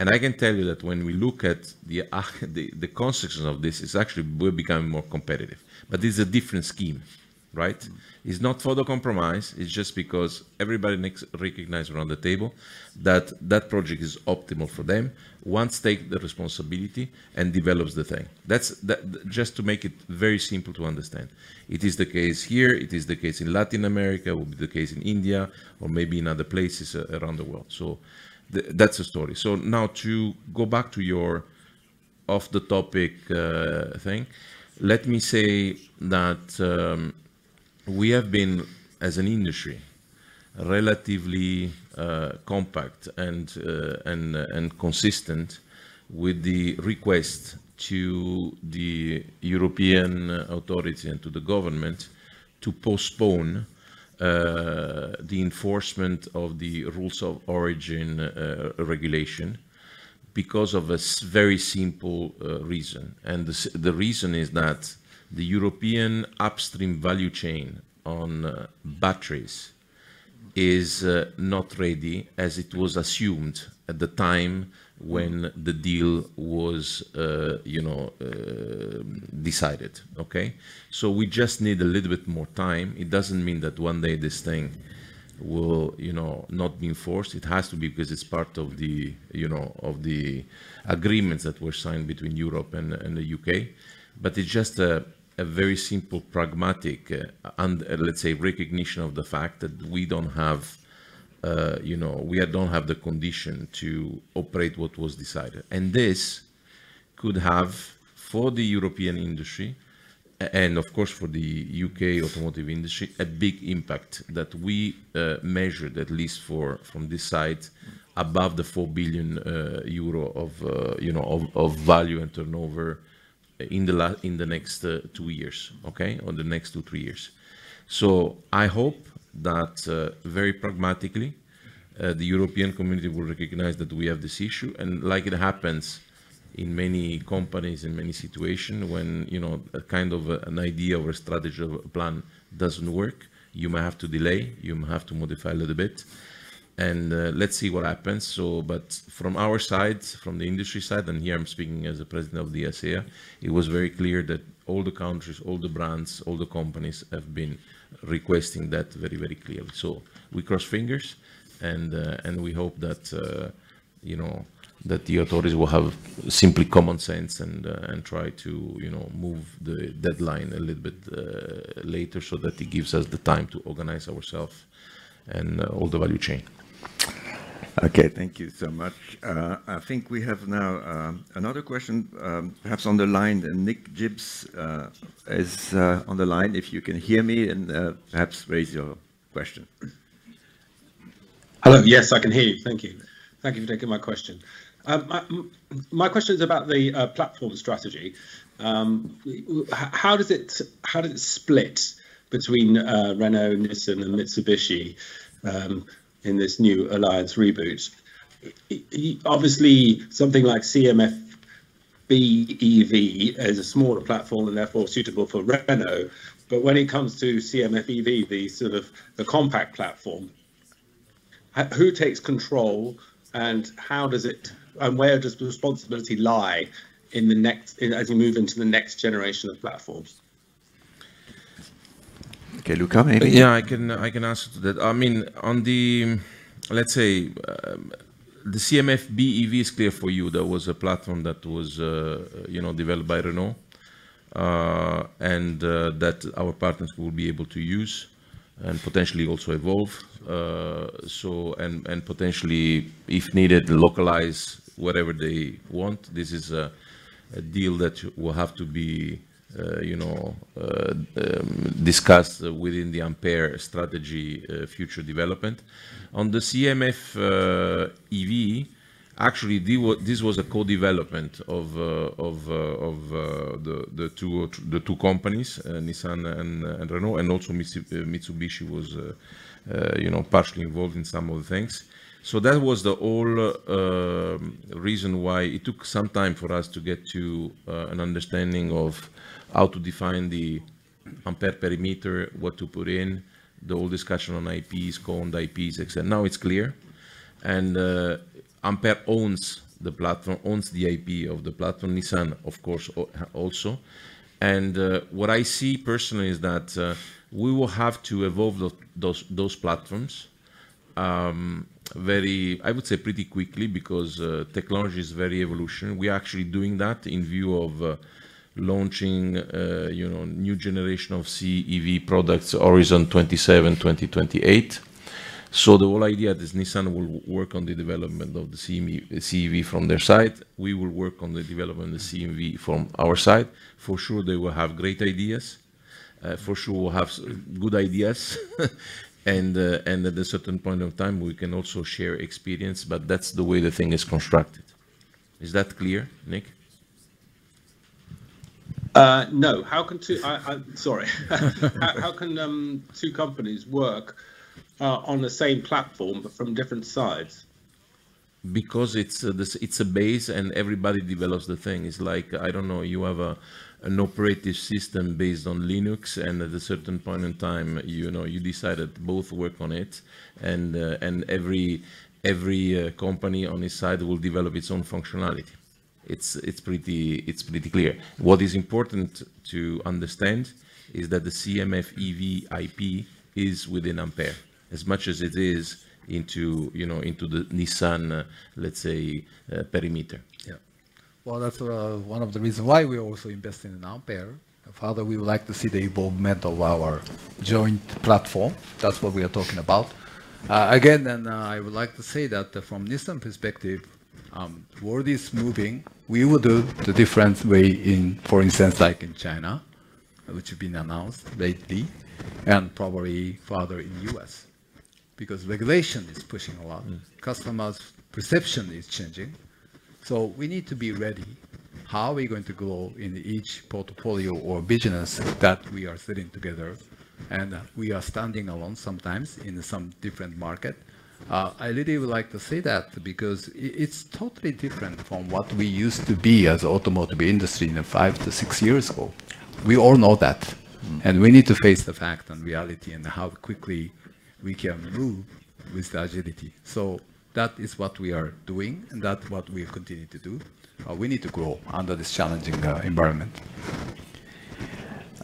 I can tell you that when we look at the conception of this, it's actually we're becoming more competitive. But this is a different scheme, right? It's not for the compromise, it's just because everybody recognize around the table that that project is optimal for them, one take the responsibility and develops the thing. That's just to make it very simple to understand. It is the case here, it is the case in Latin America, it will be the case in India or maybe in other places around the world. So that's the story. So now to go back to your off the topic thing, let me say that we have been, as an industry, relatively compact and consistent with the request to the European authority and to the government to postpone the enforcement of the Rules of Origin regulation because of a very simple reason. And the reason is that the European upstream value chain on batteries is not ready, as it was assumed at the time when the deal was you know decided. Okay? So we just need a little bit more time. It doesn't mean that one day this thing will you know not be enforced. It has to be, because it's part of the you know of the agreements that were signed between Europe and the U.K. But it's just a very simple, pragmatic, and let's say, recognition of the fact that we don't have, you know, we don't have the condition to operate what was decided. And this could have, for the European industry, and of course, for the U.K. automotive industry, a big impact that we measured, at least for, from this side, above 4 billion euro of, you know, of value and turnover in the next two years, okay? Or the next two, three years. So I hope that, very pragmatically, the European community will recognize that we have this issue, and like it happens in many companies, in many situation, when, you know, a kind of, an idea or a strategic plan doesn't work, you may have to delay, you may have to modify a little bit, and, let's see what happens. So but from our side, from the industry side, and here I'm speaking as the president of the ACEA, it was very clear that all the countries, all the brands, all the companies have been requesting that very, very clearly. So we cross fingers, and we hope that, you know, that the authorities will have simply common sense and try to, you know, move the deadline a little bit later, so that it gives us the time to organize ourselves and all the value chain. Okay, thank you so much. I think we have now another question, perhaps on the line. And Nick Gibbs is on the line, if you can hear me, and perhaps raise your question. Hello. Yes, I can hear you. Thank you. Thank you for taking my question. My question is about the platform strategy. How does it, how does it split between Renault, Nissan, and Mitsubishi in this new Alliance reboot? Obviously, something like CMF-BEV is a smaller platform and therefore suitable for Renault, but when it comes to CMF-EV, the sort of the compact platform, who takes control, and how does it... And where does the responsibility lie in the next, as we move into the next generation of platforms? Okay, Luca, anything? Yeah, I can, I can answer to that. I mean, on the, let's say, the CMF-BEV is clear for you. That was a platform that was, you know, developed by Renault, and, that our partners will be able to use and potentially also evolve. So, and, and potentially, if needed, localize whatever they want. This is a, a deal that will have to be, you know, discussed within the Ampere strategy, future development. On the CMF, EV, actually, this was a co-development of, of, of, the, the two or the two companies, Nissan and, and Renault, and also Mitsubishi was, you know, partially involved in some of the things. So that was the whole reason why it took some time for us to get to an understanding of how to define the Ampere perimeter, what to put in, the whole discussion on IPs, co-owned IPs, et cetera. Now it's clear, and Ampere owns the platform, owns the IP of the platform, Nissan, of course, also. And what I see personally is that we will have to evolve those platforms very... I would say pretty quickly, because technology is very evolution. We are actually doing that in view of launching, you know, new generation of CMF-EV products, horizon 2027, 2028. So the whole idea is Nissan will work on the development of the CMF-EV from their side. We will work on the development of the CMF-EV from our side. For sure, they will have great ideas. For sure, we'll have good ideas. And at a certain point of time, we can also share experience, but that's the way the thing is constructed. Is that clear, Nick? No. Sorry. How can two companies work on the same platform but from different sides? Because it's the base, and everybody develops the thing. It's like, I don't know, you have an operating system based on Linux, and at a certain point in time, you know, you decided both work on it, and every company on its side will develop its own functionality. It's pretty clear. What is important to understand is that the CMF-EV IP is within Ampere, as much as it is into, you know, into the Nissan, let's say, perimeter. Yeah. Well, that's one of the reasons why we also invested in Ampere. Further, we would like to see the involvement of our joint platform. That's what we are talking about. Again, and, I would like to say that from Nissan perspective, world is moving. We will do the different way in, for instance, like in China, which has been announced lately, and probably further in U.S., because regulation is pushing a lot. Mm. Customers' perception is changing, so we need to be ready. How are we going to grow in each portfolio or business that we are sitting together, and we are standing alone sometimes in some different market? I really would like to say that because it's totally different from what we used to be as automotive industry in 5-6 years ago. We all know that. Mm. We need to face the fact and reality and how quickly we can move with agility. So that is what we are doing, and that's what we continue to do. We need to grow under this challenging environment.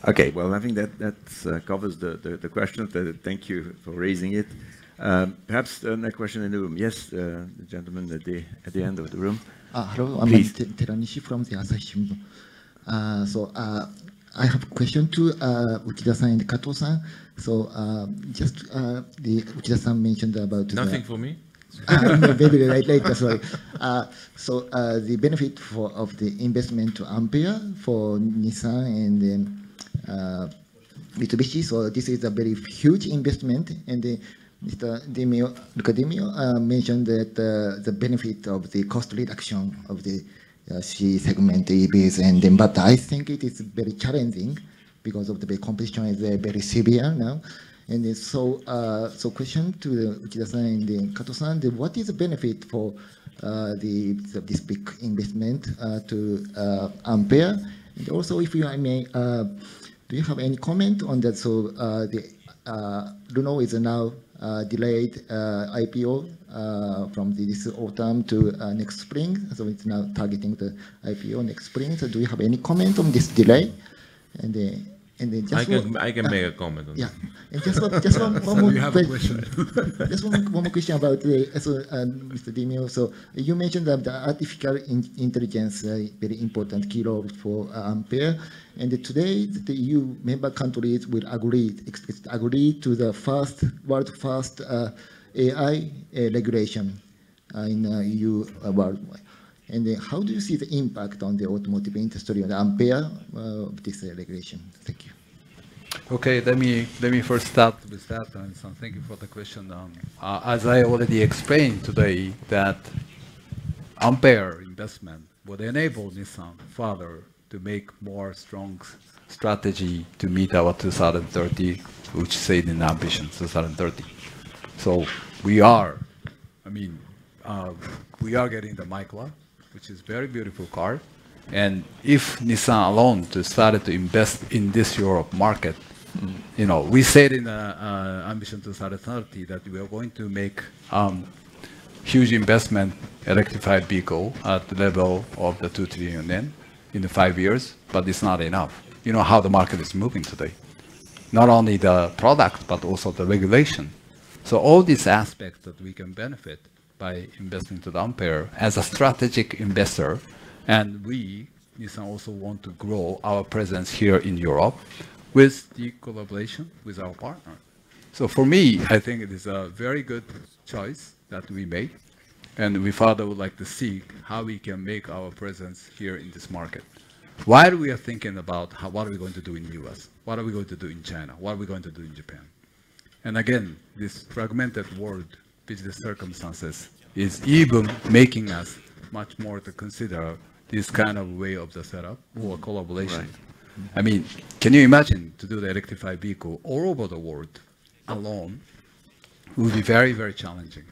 Okay, well, I think that covers the question. Thank you for raising it. Perhaps next question in the room. Yes, the gentleman at the end of the room. Uh, hello. Please. I'm Teranishi from the Asahi Shimbun. I have a question to Uchida-san and Kato-san. Just, the Uchida-san mentioned about- Nothing for me?... maybe later, sorry. So, the benefit for of the investment to Ampere for Nissan and then Mitsubishi, so this is a very huge investment, and Mr. de Meo, Luca de Meo, mentioned that the benefit of the cost reduction of the C-segment EVs and then... But I think it is very challenging because of the competition is very severe now. So question to the Uchida-san and Kato-san, what is the benefit for the this big investment to Ampere? And also, if I may, do you have any comment on that, so the Renault is now delayed IPO from this autumn to next spring? So it's now targeting the IPO next spring. So do you have any comment on this delay? And then just one- I can make a comment on this. Yeah. And just one, just one more- You have a question. Just one more question about the Mr. de Meo. So you mentioned that the artificial intelligence very important key role for Ampere. And today, the EU member countries will agree to the first world-first AI regulation in EU world. And then how do you see the impact on the automotive industry on Ampere this regulation? Thank you. Okay, let me first start with that, and so thank you for the question. As I already explained today, that Ampere investment will enable Nissan farther to make more strong strategy to meet our 2030, which said in Ambition 2030. So we are, I mean, we are getting the Micra, which is very beautiful car. And if Nissan alone decided to invest in this Europe market, you know, we said in Ambition 2030, that we are going to make huge investment electrified vehicle at the level of the 2 trillion yen in the 5 years, but it's not enough. You know how the market is moving today, not only the product, but also the regulation. So all these aspects that we can benefit by investing to the Ampere as a strategic investor, and we, Nissan, also want to grow our presence here in Europe with the collaboration with our partner. So for me, I think it is a very good choice that we made, and we further would like to see how we can make our presence here in this market. While we are thinking about how, what are we going to do in U.S.? What are we going to do in China? What are we going to do in Japan? And again, this fragmented world, business circumstances, is even making us much more to consider this kind of way of the setup or collaboration. Right. I mean, can you imagine to do the electrified vehicle all over the world alone? Will be very, very challenging.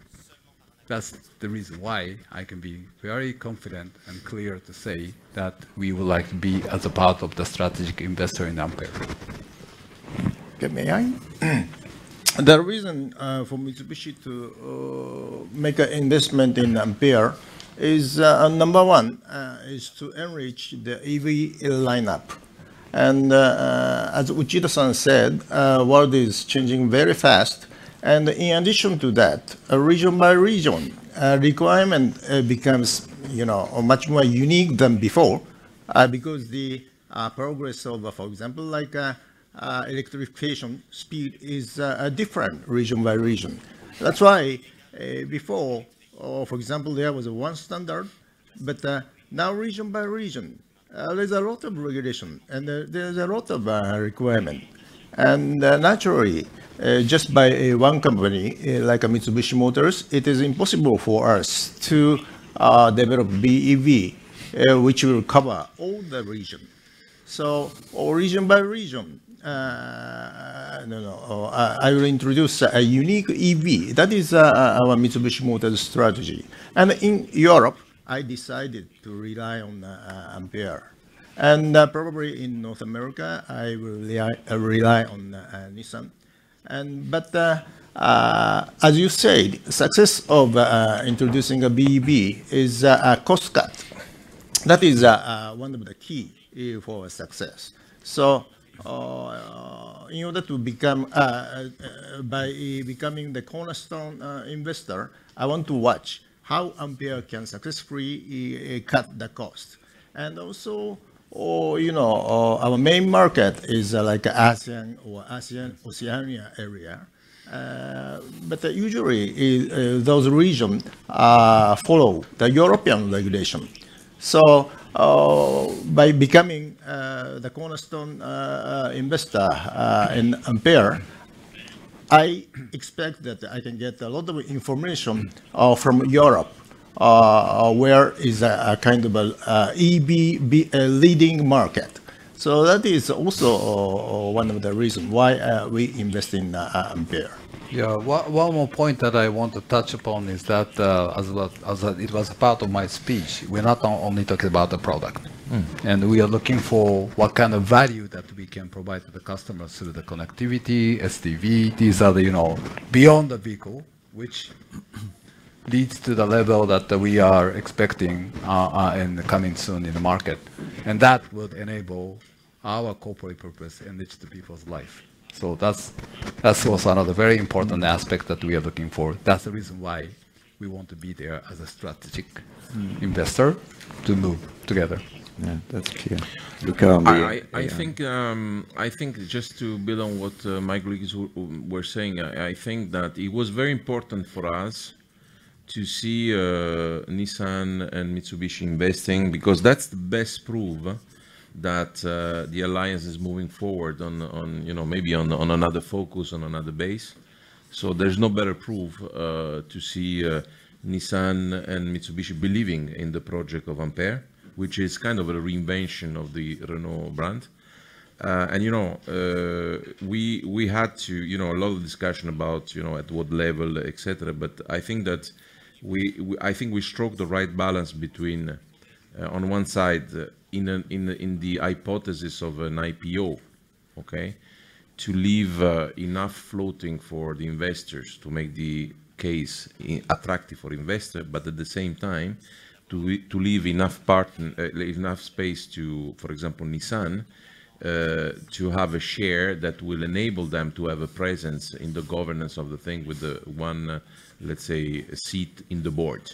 That's the reason why I can be very confident and clear to say that we would like to be as a part of the strategic investor in Ampere. Okay, may I? The reason for Mitsubishi to make an investment in Ampere is number one is to enrich the EV lineup. And as Uchida-san said, world is changing very fast, and in addition to that, region by region requirement becomes, you know, much more unique than before because the progress of, for example, like electrification speed is different region by region. That's why before, for example, there was one standard, but now region by region there's a lot of regulation, and there there's a lot of requirement. And naturally just by one company like Mitsubishi Motors, it is impossible for us to develop BEV which will cover all the region. So region by region I will introduce a unique EV. That is, our Mitsubishi Motors strategy. In Europe, I decided to rely on Ampere. And, probably in North America, I will rely on Nissan. But, as you said, success of introducing a BEV is a cost cut. That is, one of the key for success. So, in order to become, by becoming the cornerstone investor, I want to watch how Ampere can successfully cut the cost. And also, you know, our main market is, like ASEAN or ASEAN, Oceania area. But usually, those regions follow the European regulation. So, by becoming the cornerstone investor in Ampere, I expect that I can get a lot of information from Europe, where is a kind of a EV be a leading market. So that is also one of the reasons why we invest in Ampere. Yeah. One more point that I want to touch upon is that, as well as, it was part of my speech, we're not only talking about the product. Mm. We are looking for what kind of value that we can provide to the customers through the connectivity, SDV. These are the, you know, beyond the vehicle, which leads to the level that we are expecting in the coming soon in the market. And that would enable our corporate purpose, Enhance the People's Life. So that's, that's also another very important aspect that we are looking for. That's the reason why we want to be there as a strategic- Mm... investor, to move together. Yeah, that's clear. Luca- I think just to build on what Mike was saying, I think that it was very important for us-... to see, Nissan and Mitsubishi investing, because that's the best proof that, the Alliance is moving forward on, on, you know, maybe on, on another focus, on another base. So there's no better proof, to see, Nissan and Mitsubishi believing in the project of Ampere, which is kind of a reinvention of the Renault brand. And, you know, we had to, you know, a lot of discussion about, you know, at what level, et cetera. But I think that we struck the right balance between, on one side, in the hypothesis of an IPO, okay? To leave enough floating for the investors to make the case attractive for investor, but at the same time, to leave enough partner, leave enough space to, for example, Nissan to have a share that will enable them to have a presence in the governance of the thing with the one, let's say, seat in the Board.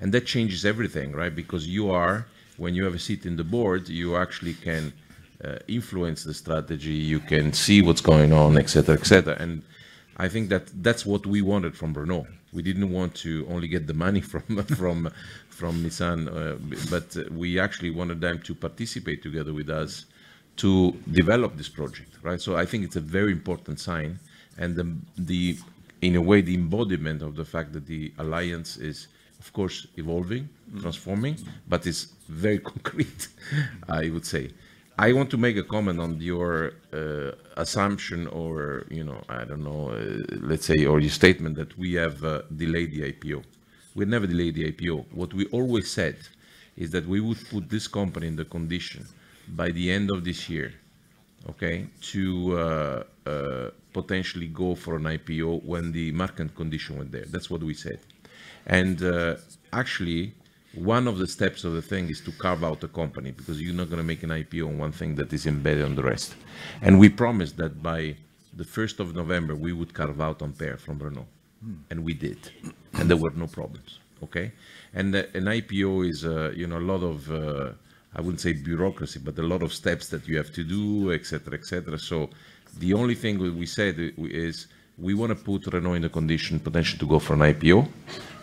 And that changes everything, right? Because when you have a seat in the Board, you actually can influence the strategy, you can see what's going on, et cetera, et cetera. And I think that that's what we wanted from Renault. We didn't want to only get the money from Nissan, but we actually wanted them to participate together with us to develop this project, right? So I think it's a very important sign, and the, in a way, the embodiment of the fact that the Alliance is, of course, evolving- Mm. -transforming, but is very concrete, I would say. I want to make a comment on your assumption or, you know, I don't know, let's say, or your statement that we have delayed the IPO. We never delayed the IPO. What we always said is that we would put this company in the condition by the end of this year, okay? To potentially go for an IPO when the market condition were there. That's what we said. Actually, one of the steps of the thing is to carve out the company, because you're not gonna make an IPO on one thing that is embedded on the rest. We promised that by the first of November, we would carve out Ampere from Renault, and we did. Mm. There were no problems, okay? An IPO is, you know, a lot of—I wouldn't say bureaucracy, but a lot of steps that you have to do, et cetera, et cetera. So the only thing we said is, we wanna put Renault in a condition potentially to go for an IPO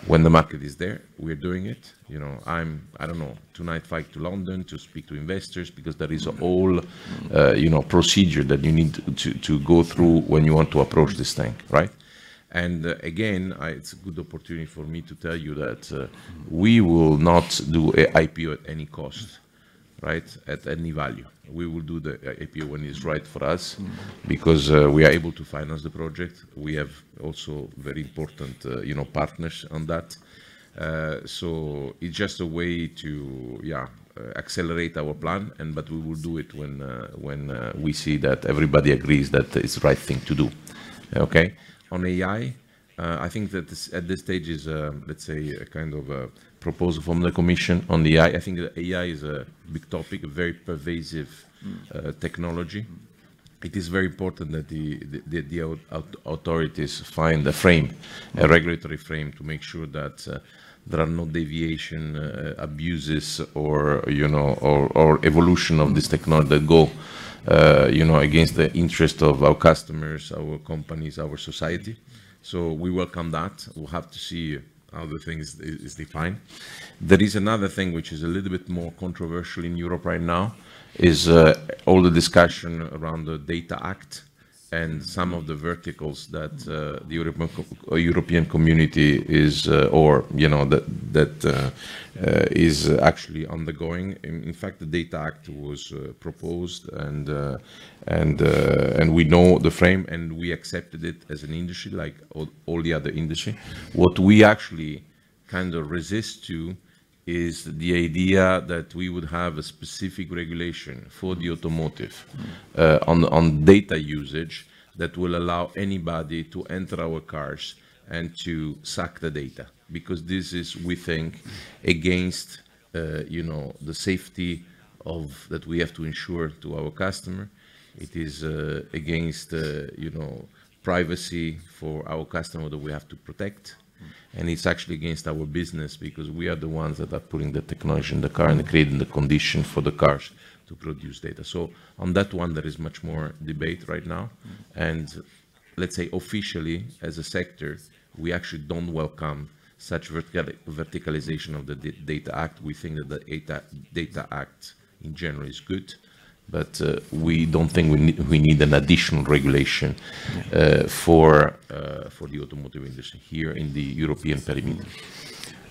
when the market is there. We're doing it. You know, I'm—I don't know, tonight, flight to London to speak to investors because there is a whole, you know, procedure that you need to go through when you want to approach this thing, right? And again, it's a good opportunity for me to tell you that we will not do an IPO at any cost, right? At any value. We will do the IPO when it's right for us- Mm. Because we are able to finance the project. We have also very important, you know, partners on that. So it's just a way to, yeah, accelerate our plan and, but we will do it when we see that everybody agrees that it's the right thing to do, okay? On AI, I think that this, at this stage, is, let's say, a kind of a proposal from the commission on the AI. I think that AI is a big topic, a very pervasive- Mm. technology. Mm. It is very important that the authorities find a frame, Mm. A regulatory frame to make sure that, there are no deviation, abuses or, you know, or evolution of this technology that go, you know, against the interest of our customers, our companies, our society. So we welcome that. We'll have to see how the things is defined. There is another thing which is a little bit more controversial in Europe right now, is all the discussion around the Data Act- Mm... and some of the verticals that the European Commission or European community is, or, you know, that, that, is actually undergoing. In fact, the Data Act was proposed, and we know the frame, and we accepted it as an industry like all the other industry. What we actually kind of resist to is the idea that we would have a specific regulation for the automotive on data usage that will allow anybody to enter our cars and to suck the data. Because this is, we think, against, you know, the safety of... that we have to ensure to our customer. It is against, you know, privacy for our customer that we have to protect. Mm. It's actually against our business because we are the ones that are putting the technology in the car and creating the condition for the cars to produce data. On that one, there is much more debate right now. Mm. Let's say, officially, as a sector, we actually don't welcome such verticalization of the Data Act. We think that the Data Act in general is good, but we don't think we need an additional regulation- Yeah... for the automotive industry here in the European perimeter.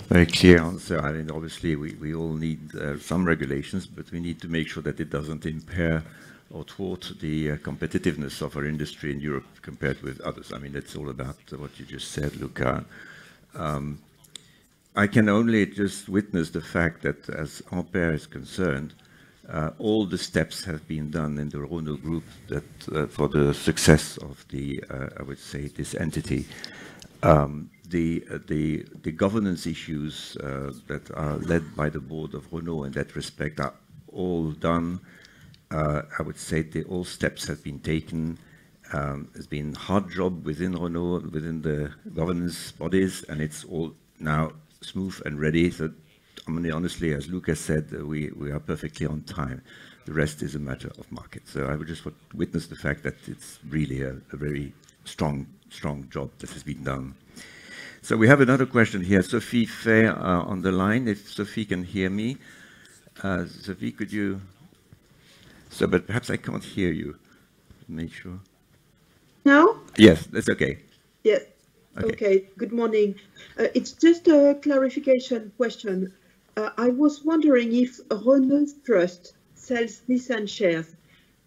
Very clear answer. I mean, obviously, we all need some regulations, but we need to make sure that it doesn't impair or thwart the competitiveness of our industry in Europe compared with others. I mean, it's all about what you just said, Luca. I can only just witness the fact that as Ampere is concerned, all the steps have been done in the Renault Group that for the success of the I would say, this entity. The governance issues that are led by the board of Renault in that respect are all done. I would say that all steps have been taken. It's been hard job within Renault, within the governance bodies, and it's all now smooth and ready. So, I mean, honestly, as Luca said, we are perfectly on time. The rest is a matter of market. So I would just want to witness the fact that it's really a, a very strong, strong job that has been done. So we have another question here. Sophie Fay, on the line, if Sophie can hear me?... Sophie, could you- so but perhaps I can't hear you. Make sure. Now? Yes, that's okay. Yeah. Okay. Okay. Good morning. It's just a clarification question. I was wondering if Renault Trust sells Nissan shares,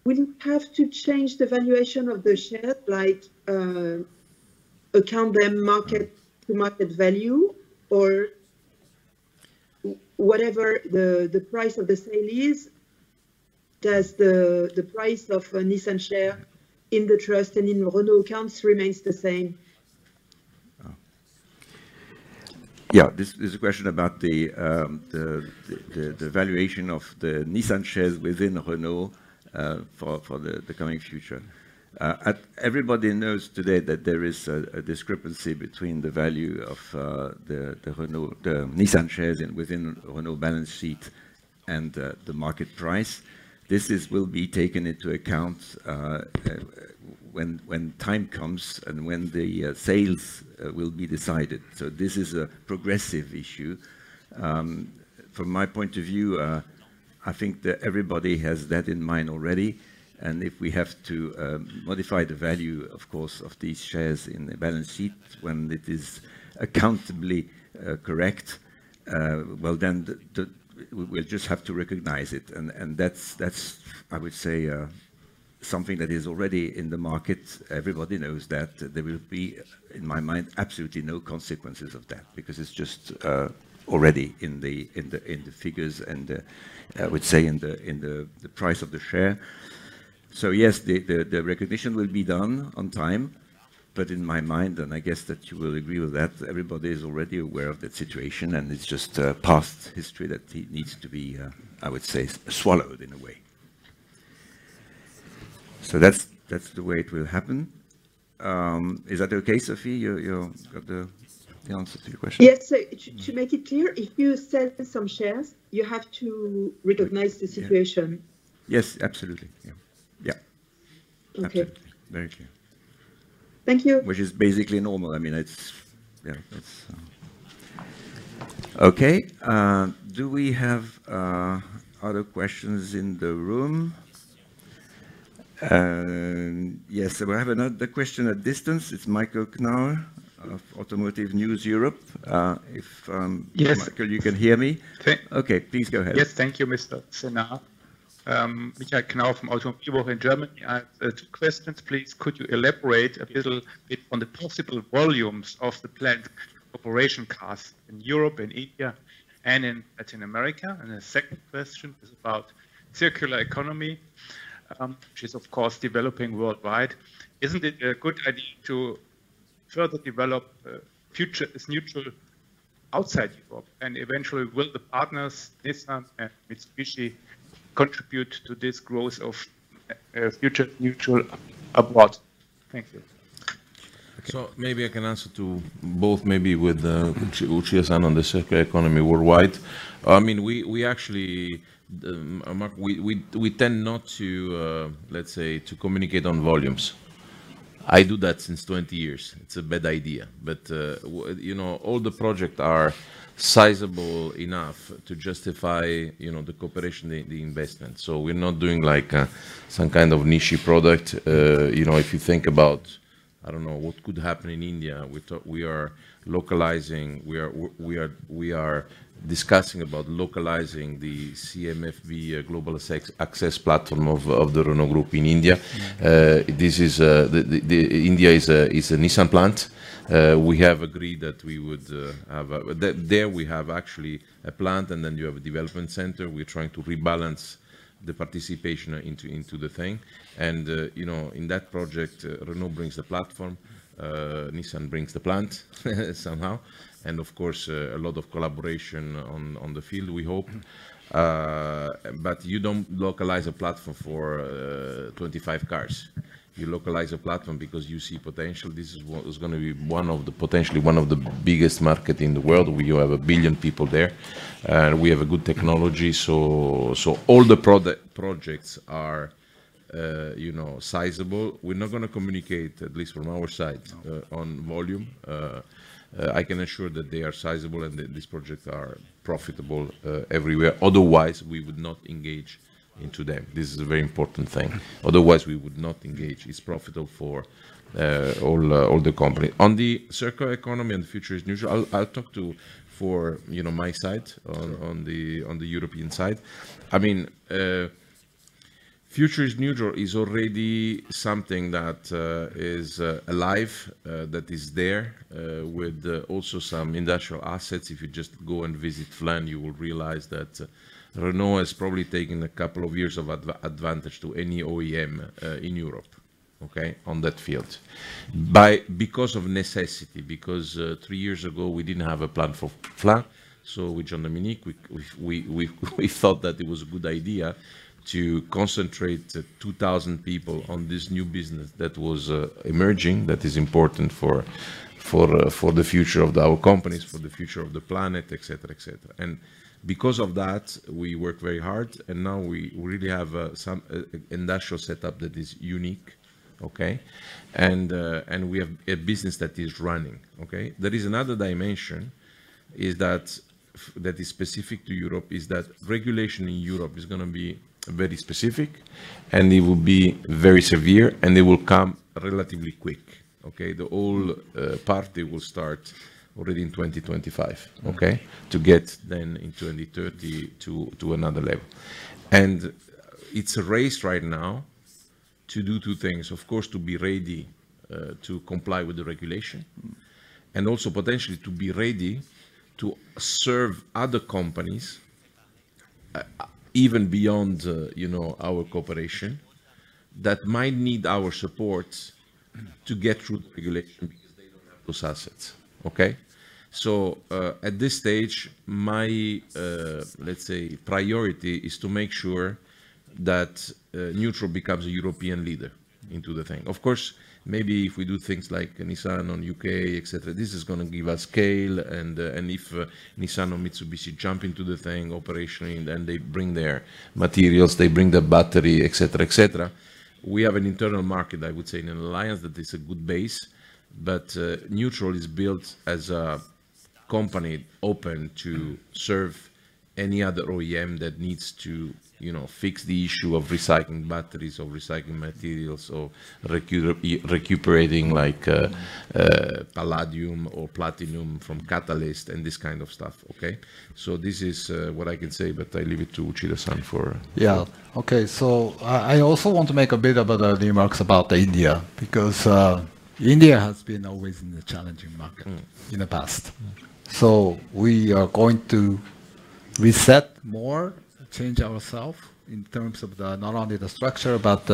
will you have to change the valuation of the share, like, account them mark-to-market value? Or whatever the price of the sale is, does the price of a Nissan share in the trust and in Renault accounts remains the same? Oh. Yeah, this is a question about the valuation of the Nissan shares within Renault for the coming future. Everybody knows today that there is a discrepancy between the value of the Renault Nissan shares within Renault balance sheet and the market price. This will be taken into account when time comes and when the sales will be decided. So this is a progressive issue. From my point of view, I think that everybody has that in mind already, and if we have to modify the value, of course, of these shares in the balance sheet when it is accountably correct, well, then we'll just have to recognize it. That's, I would say, something that is already in the market. Everybody knows that. There will be, in my mind, absolutely no consequences of that because it's just already in the figures and I would say in the price of the share. So yes, the recognition will be done on time, but in my mind, and I guess that you will agree with that, everybody is already aware of that situation, and it's just past history that it needs to be, I would say, swallowed in a way. So that's the way it will happen. Is that okay, Sophie? You got the answer to your question? Yes. So to make it clear, if you sell some shares, you have to recognize the situation. Yes, absolutely. Yeah. Yeah. Okay. Very clear. Thank you! Which is basically normal. I mean, it's... Yeah, it's... Okay, do we have other questions in the room? And yes, we have another question at distance. It's Michael Knauer of Automotive News Europe. If, Yes. -Michael, you can hear me? Okay. Okay, please go ahead. Yes, thank you, Mr. Senard. Michael Knauer from Automotive News in Germany. I have two questions, please. Could you elaborate a little bit on the possible volumes of the planned cooperation cars in Europe and India and in Latin America? And the second question is about circular economy, which is, of course, developing worldwide. Isn't it a good idea to further develop The Future Is NEUTRAL outside Europe? And eventually, will the partners, Nissan and Mitsubishi, contribute to this growth of The Future Is NEUTRAL abroad? Thank you. So maybe I can answer to both, maybe with Luca de Meo on the circular economy worldwide. I mean, we actually, Mark, we tend not to, let's say, communicate on volumes. I do that since 20 years. It's a bad idea. But you know, all the project are sizable enough to justify, you know, the cooperation, the investment. So we're not doing like some kind of niche product. You know, if you think about, I don't know, what could happen in India, we are localizing, we are discussing about localizing the CMF-B, Global Access platform of the Renault Group in India. This is the India is a Nissan plant. We have agreed that we would have a... There, there we have actually a plant, and then you have a development center. We're trying to rebalance the participation into, into the thing. And, you know, in that project, Renault brings the platform, Nissan brings the plant, somehow, and of course, a lot of collaboration on, on the field, we hope. But you don't localize a platform for 25 cars. You localize a platform because you see potential. This is what is gonna be one of the, potentially, one of the biggest market in the world, where you have a billion people there, and we have a good technology. So, so all the projects are, you know, sizable. We're not gonna communicate, at least from our side, on volume. I can assure that they are sizable, and these projects are profitable everywhere, otherwise we would not engage into them. This is a very important thing. Otherwise, we would not engage. It's profitable for all the company. On the circular economy and Future Is Neutral, I'll talk for, you know, my side on the European side. I mean, Future Is Neutral is already something that is alive, that is there, with also some industrial assets. If you just go and visit Flins, you will realize that Renault has probably taken a couple of years of advantage to any OEM in Europe, okay, on that field. Because of necessity, because three years ago, we didn't have a plan for Flins. So with Jean-Dominique, we thought that it was a good idea to concentrate 2,000 people on this new business that was emerging, that is important for the future of our companies, for the future of the planet, et cetera, et cetera. And because of that, we worked very hard, and now we really have some industrial setup that is unique, okay? And we have a business that is running, okay? There is another dimension that is specific to Europe, that regulation in Europe is gonna be very specific, and it will be very severe, and it will come relatively quick, okay? The whole party will start already in 2025, okay? To get then in 2030 to another level. And it's a race right now-... to do two things: of course, to be ready, to comply with the regulation, and also potentially to be ready to serve other companies, even beyond, you know, our cooperation, that might need our support to get through the regulation because they don't have those assets. Okay? So, at this stage, my, let's say, priority is to make sure that, Neutral becomes a European leader into the thing. Of course, maybe if we do things like Nissan on U.K., et cetera, this is gonna give us scale, and, and if, Nissan or Mitsubishi jump into the thing operationally, and then they bring their materials, they bring their battery, et cetera, et cetera. We have an internal market, I would say, in Alliance, that is a good base. But, Neutral is built as a company open to serve any other OEM that needs to, you know, fix the issue of recycling batteries or recycling materials or recuperating, like, palladium or platinum from catalyst and this kind of stuff, okay? So this is what I can say, but I leave it to Uchida-san for- Yeah. Okay. So I also want to make a bit about the remarks about India, because India has been always in a challenging market- Mm-hmm. in the past. So we are going to reset more, change ourself in terms of not only the structure, but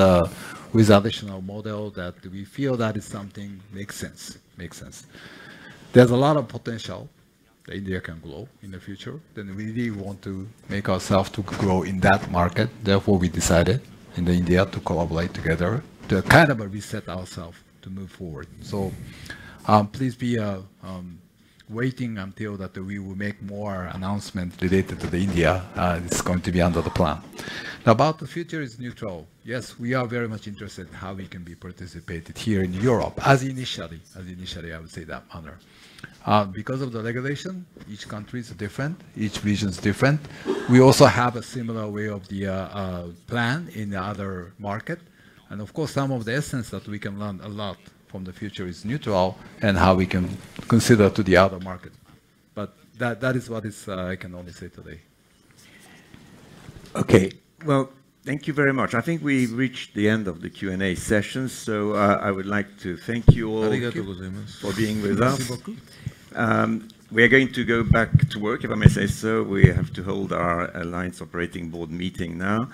with additional model that we feel that is something makes sense. Makes sense. There's a lot of potential that India can grow in the future, then we really want to make ourself to grow in that market. Therefore, we decided in India to collaborate together to kind of reset ourself to move forward. So, please be waiting until that we will make more announcement related to the India, it's going to be under the plan. Now, about The Future Is NEUTRAL. Yes, we are very much interested in how we can be participated here in Europe, as initially, as initially, I would say that honor. Because of the regulation, each country is different, each region is different. We also have a similar way of the plan in the other market. And of course, some of the essence that we can learn a lot from The Future Is NEUTRAL and how we can consider to the other market. But that, that is what is, I can only say today. Okay. Well, thank you very much. I think we've reached the end of the Q&A session, so I would like to thank you all for being with us. We are going to go back to work, if I may say so. We have to hold our Alliance Operating Board meeting now.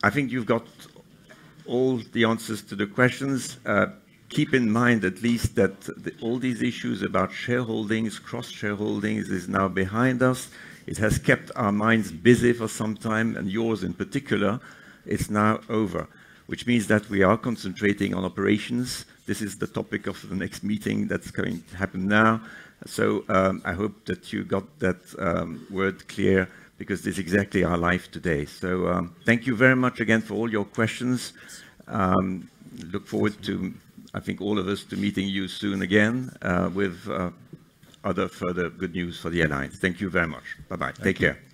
I think you've got all the answers to the questions. Keep in mind at least that all these issues about shareholdings, cross shareholdings, is now behind us. It has kept our minds busy for some time, and yours in particular. It's now over, which means that we are concentrating on operations. This is the topic of the next meeting that's going to happen now. So, I hope that you got that word clear, because this is exactly our life today. So, thank you very much again for all your questions. Look forward to, I think all of us, to meeting you soon again with other further good news for the Alliance. Thank you very much. Bye-bye. Take care!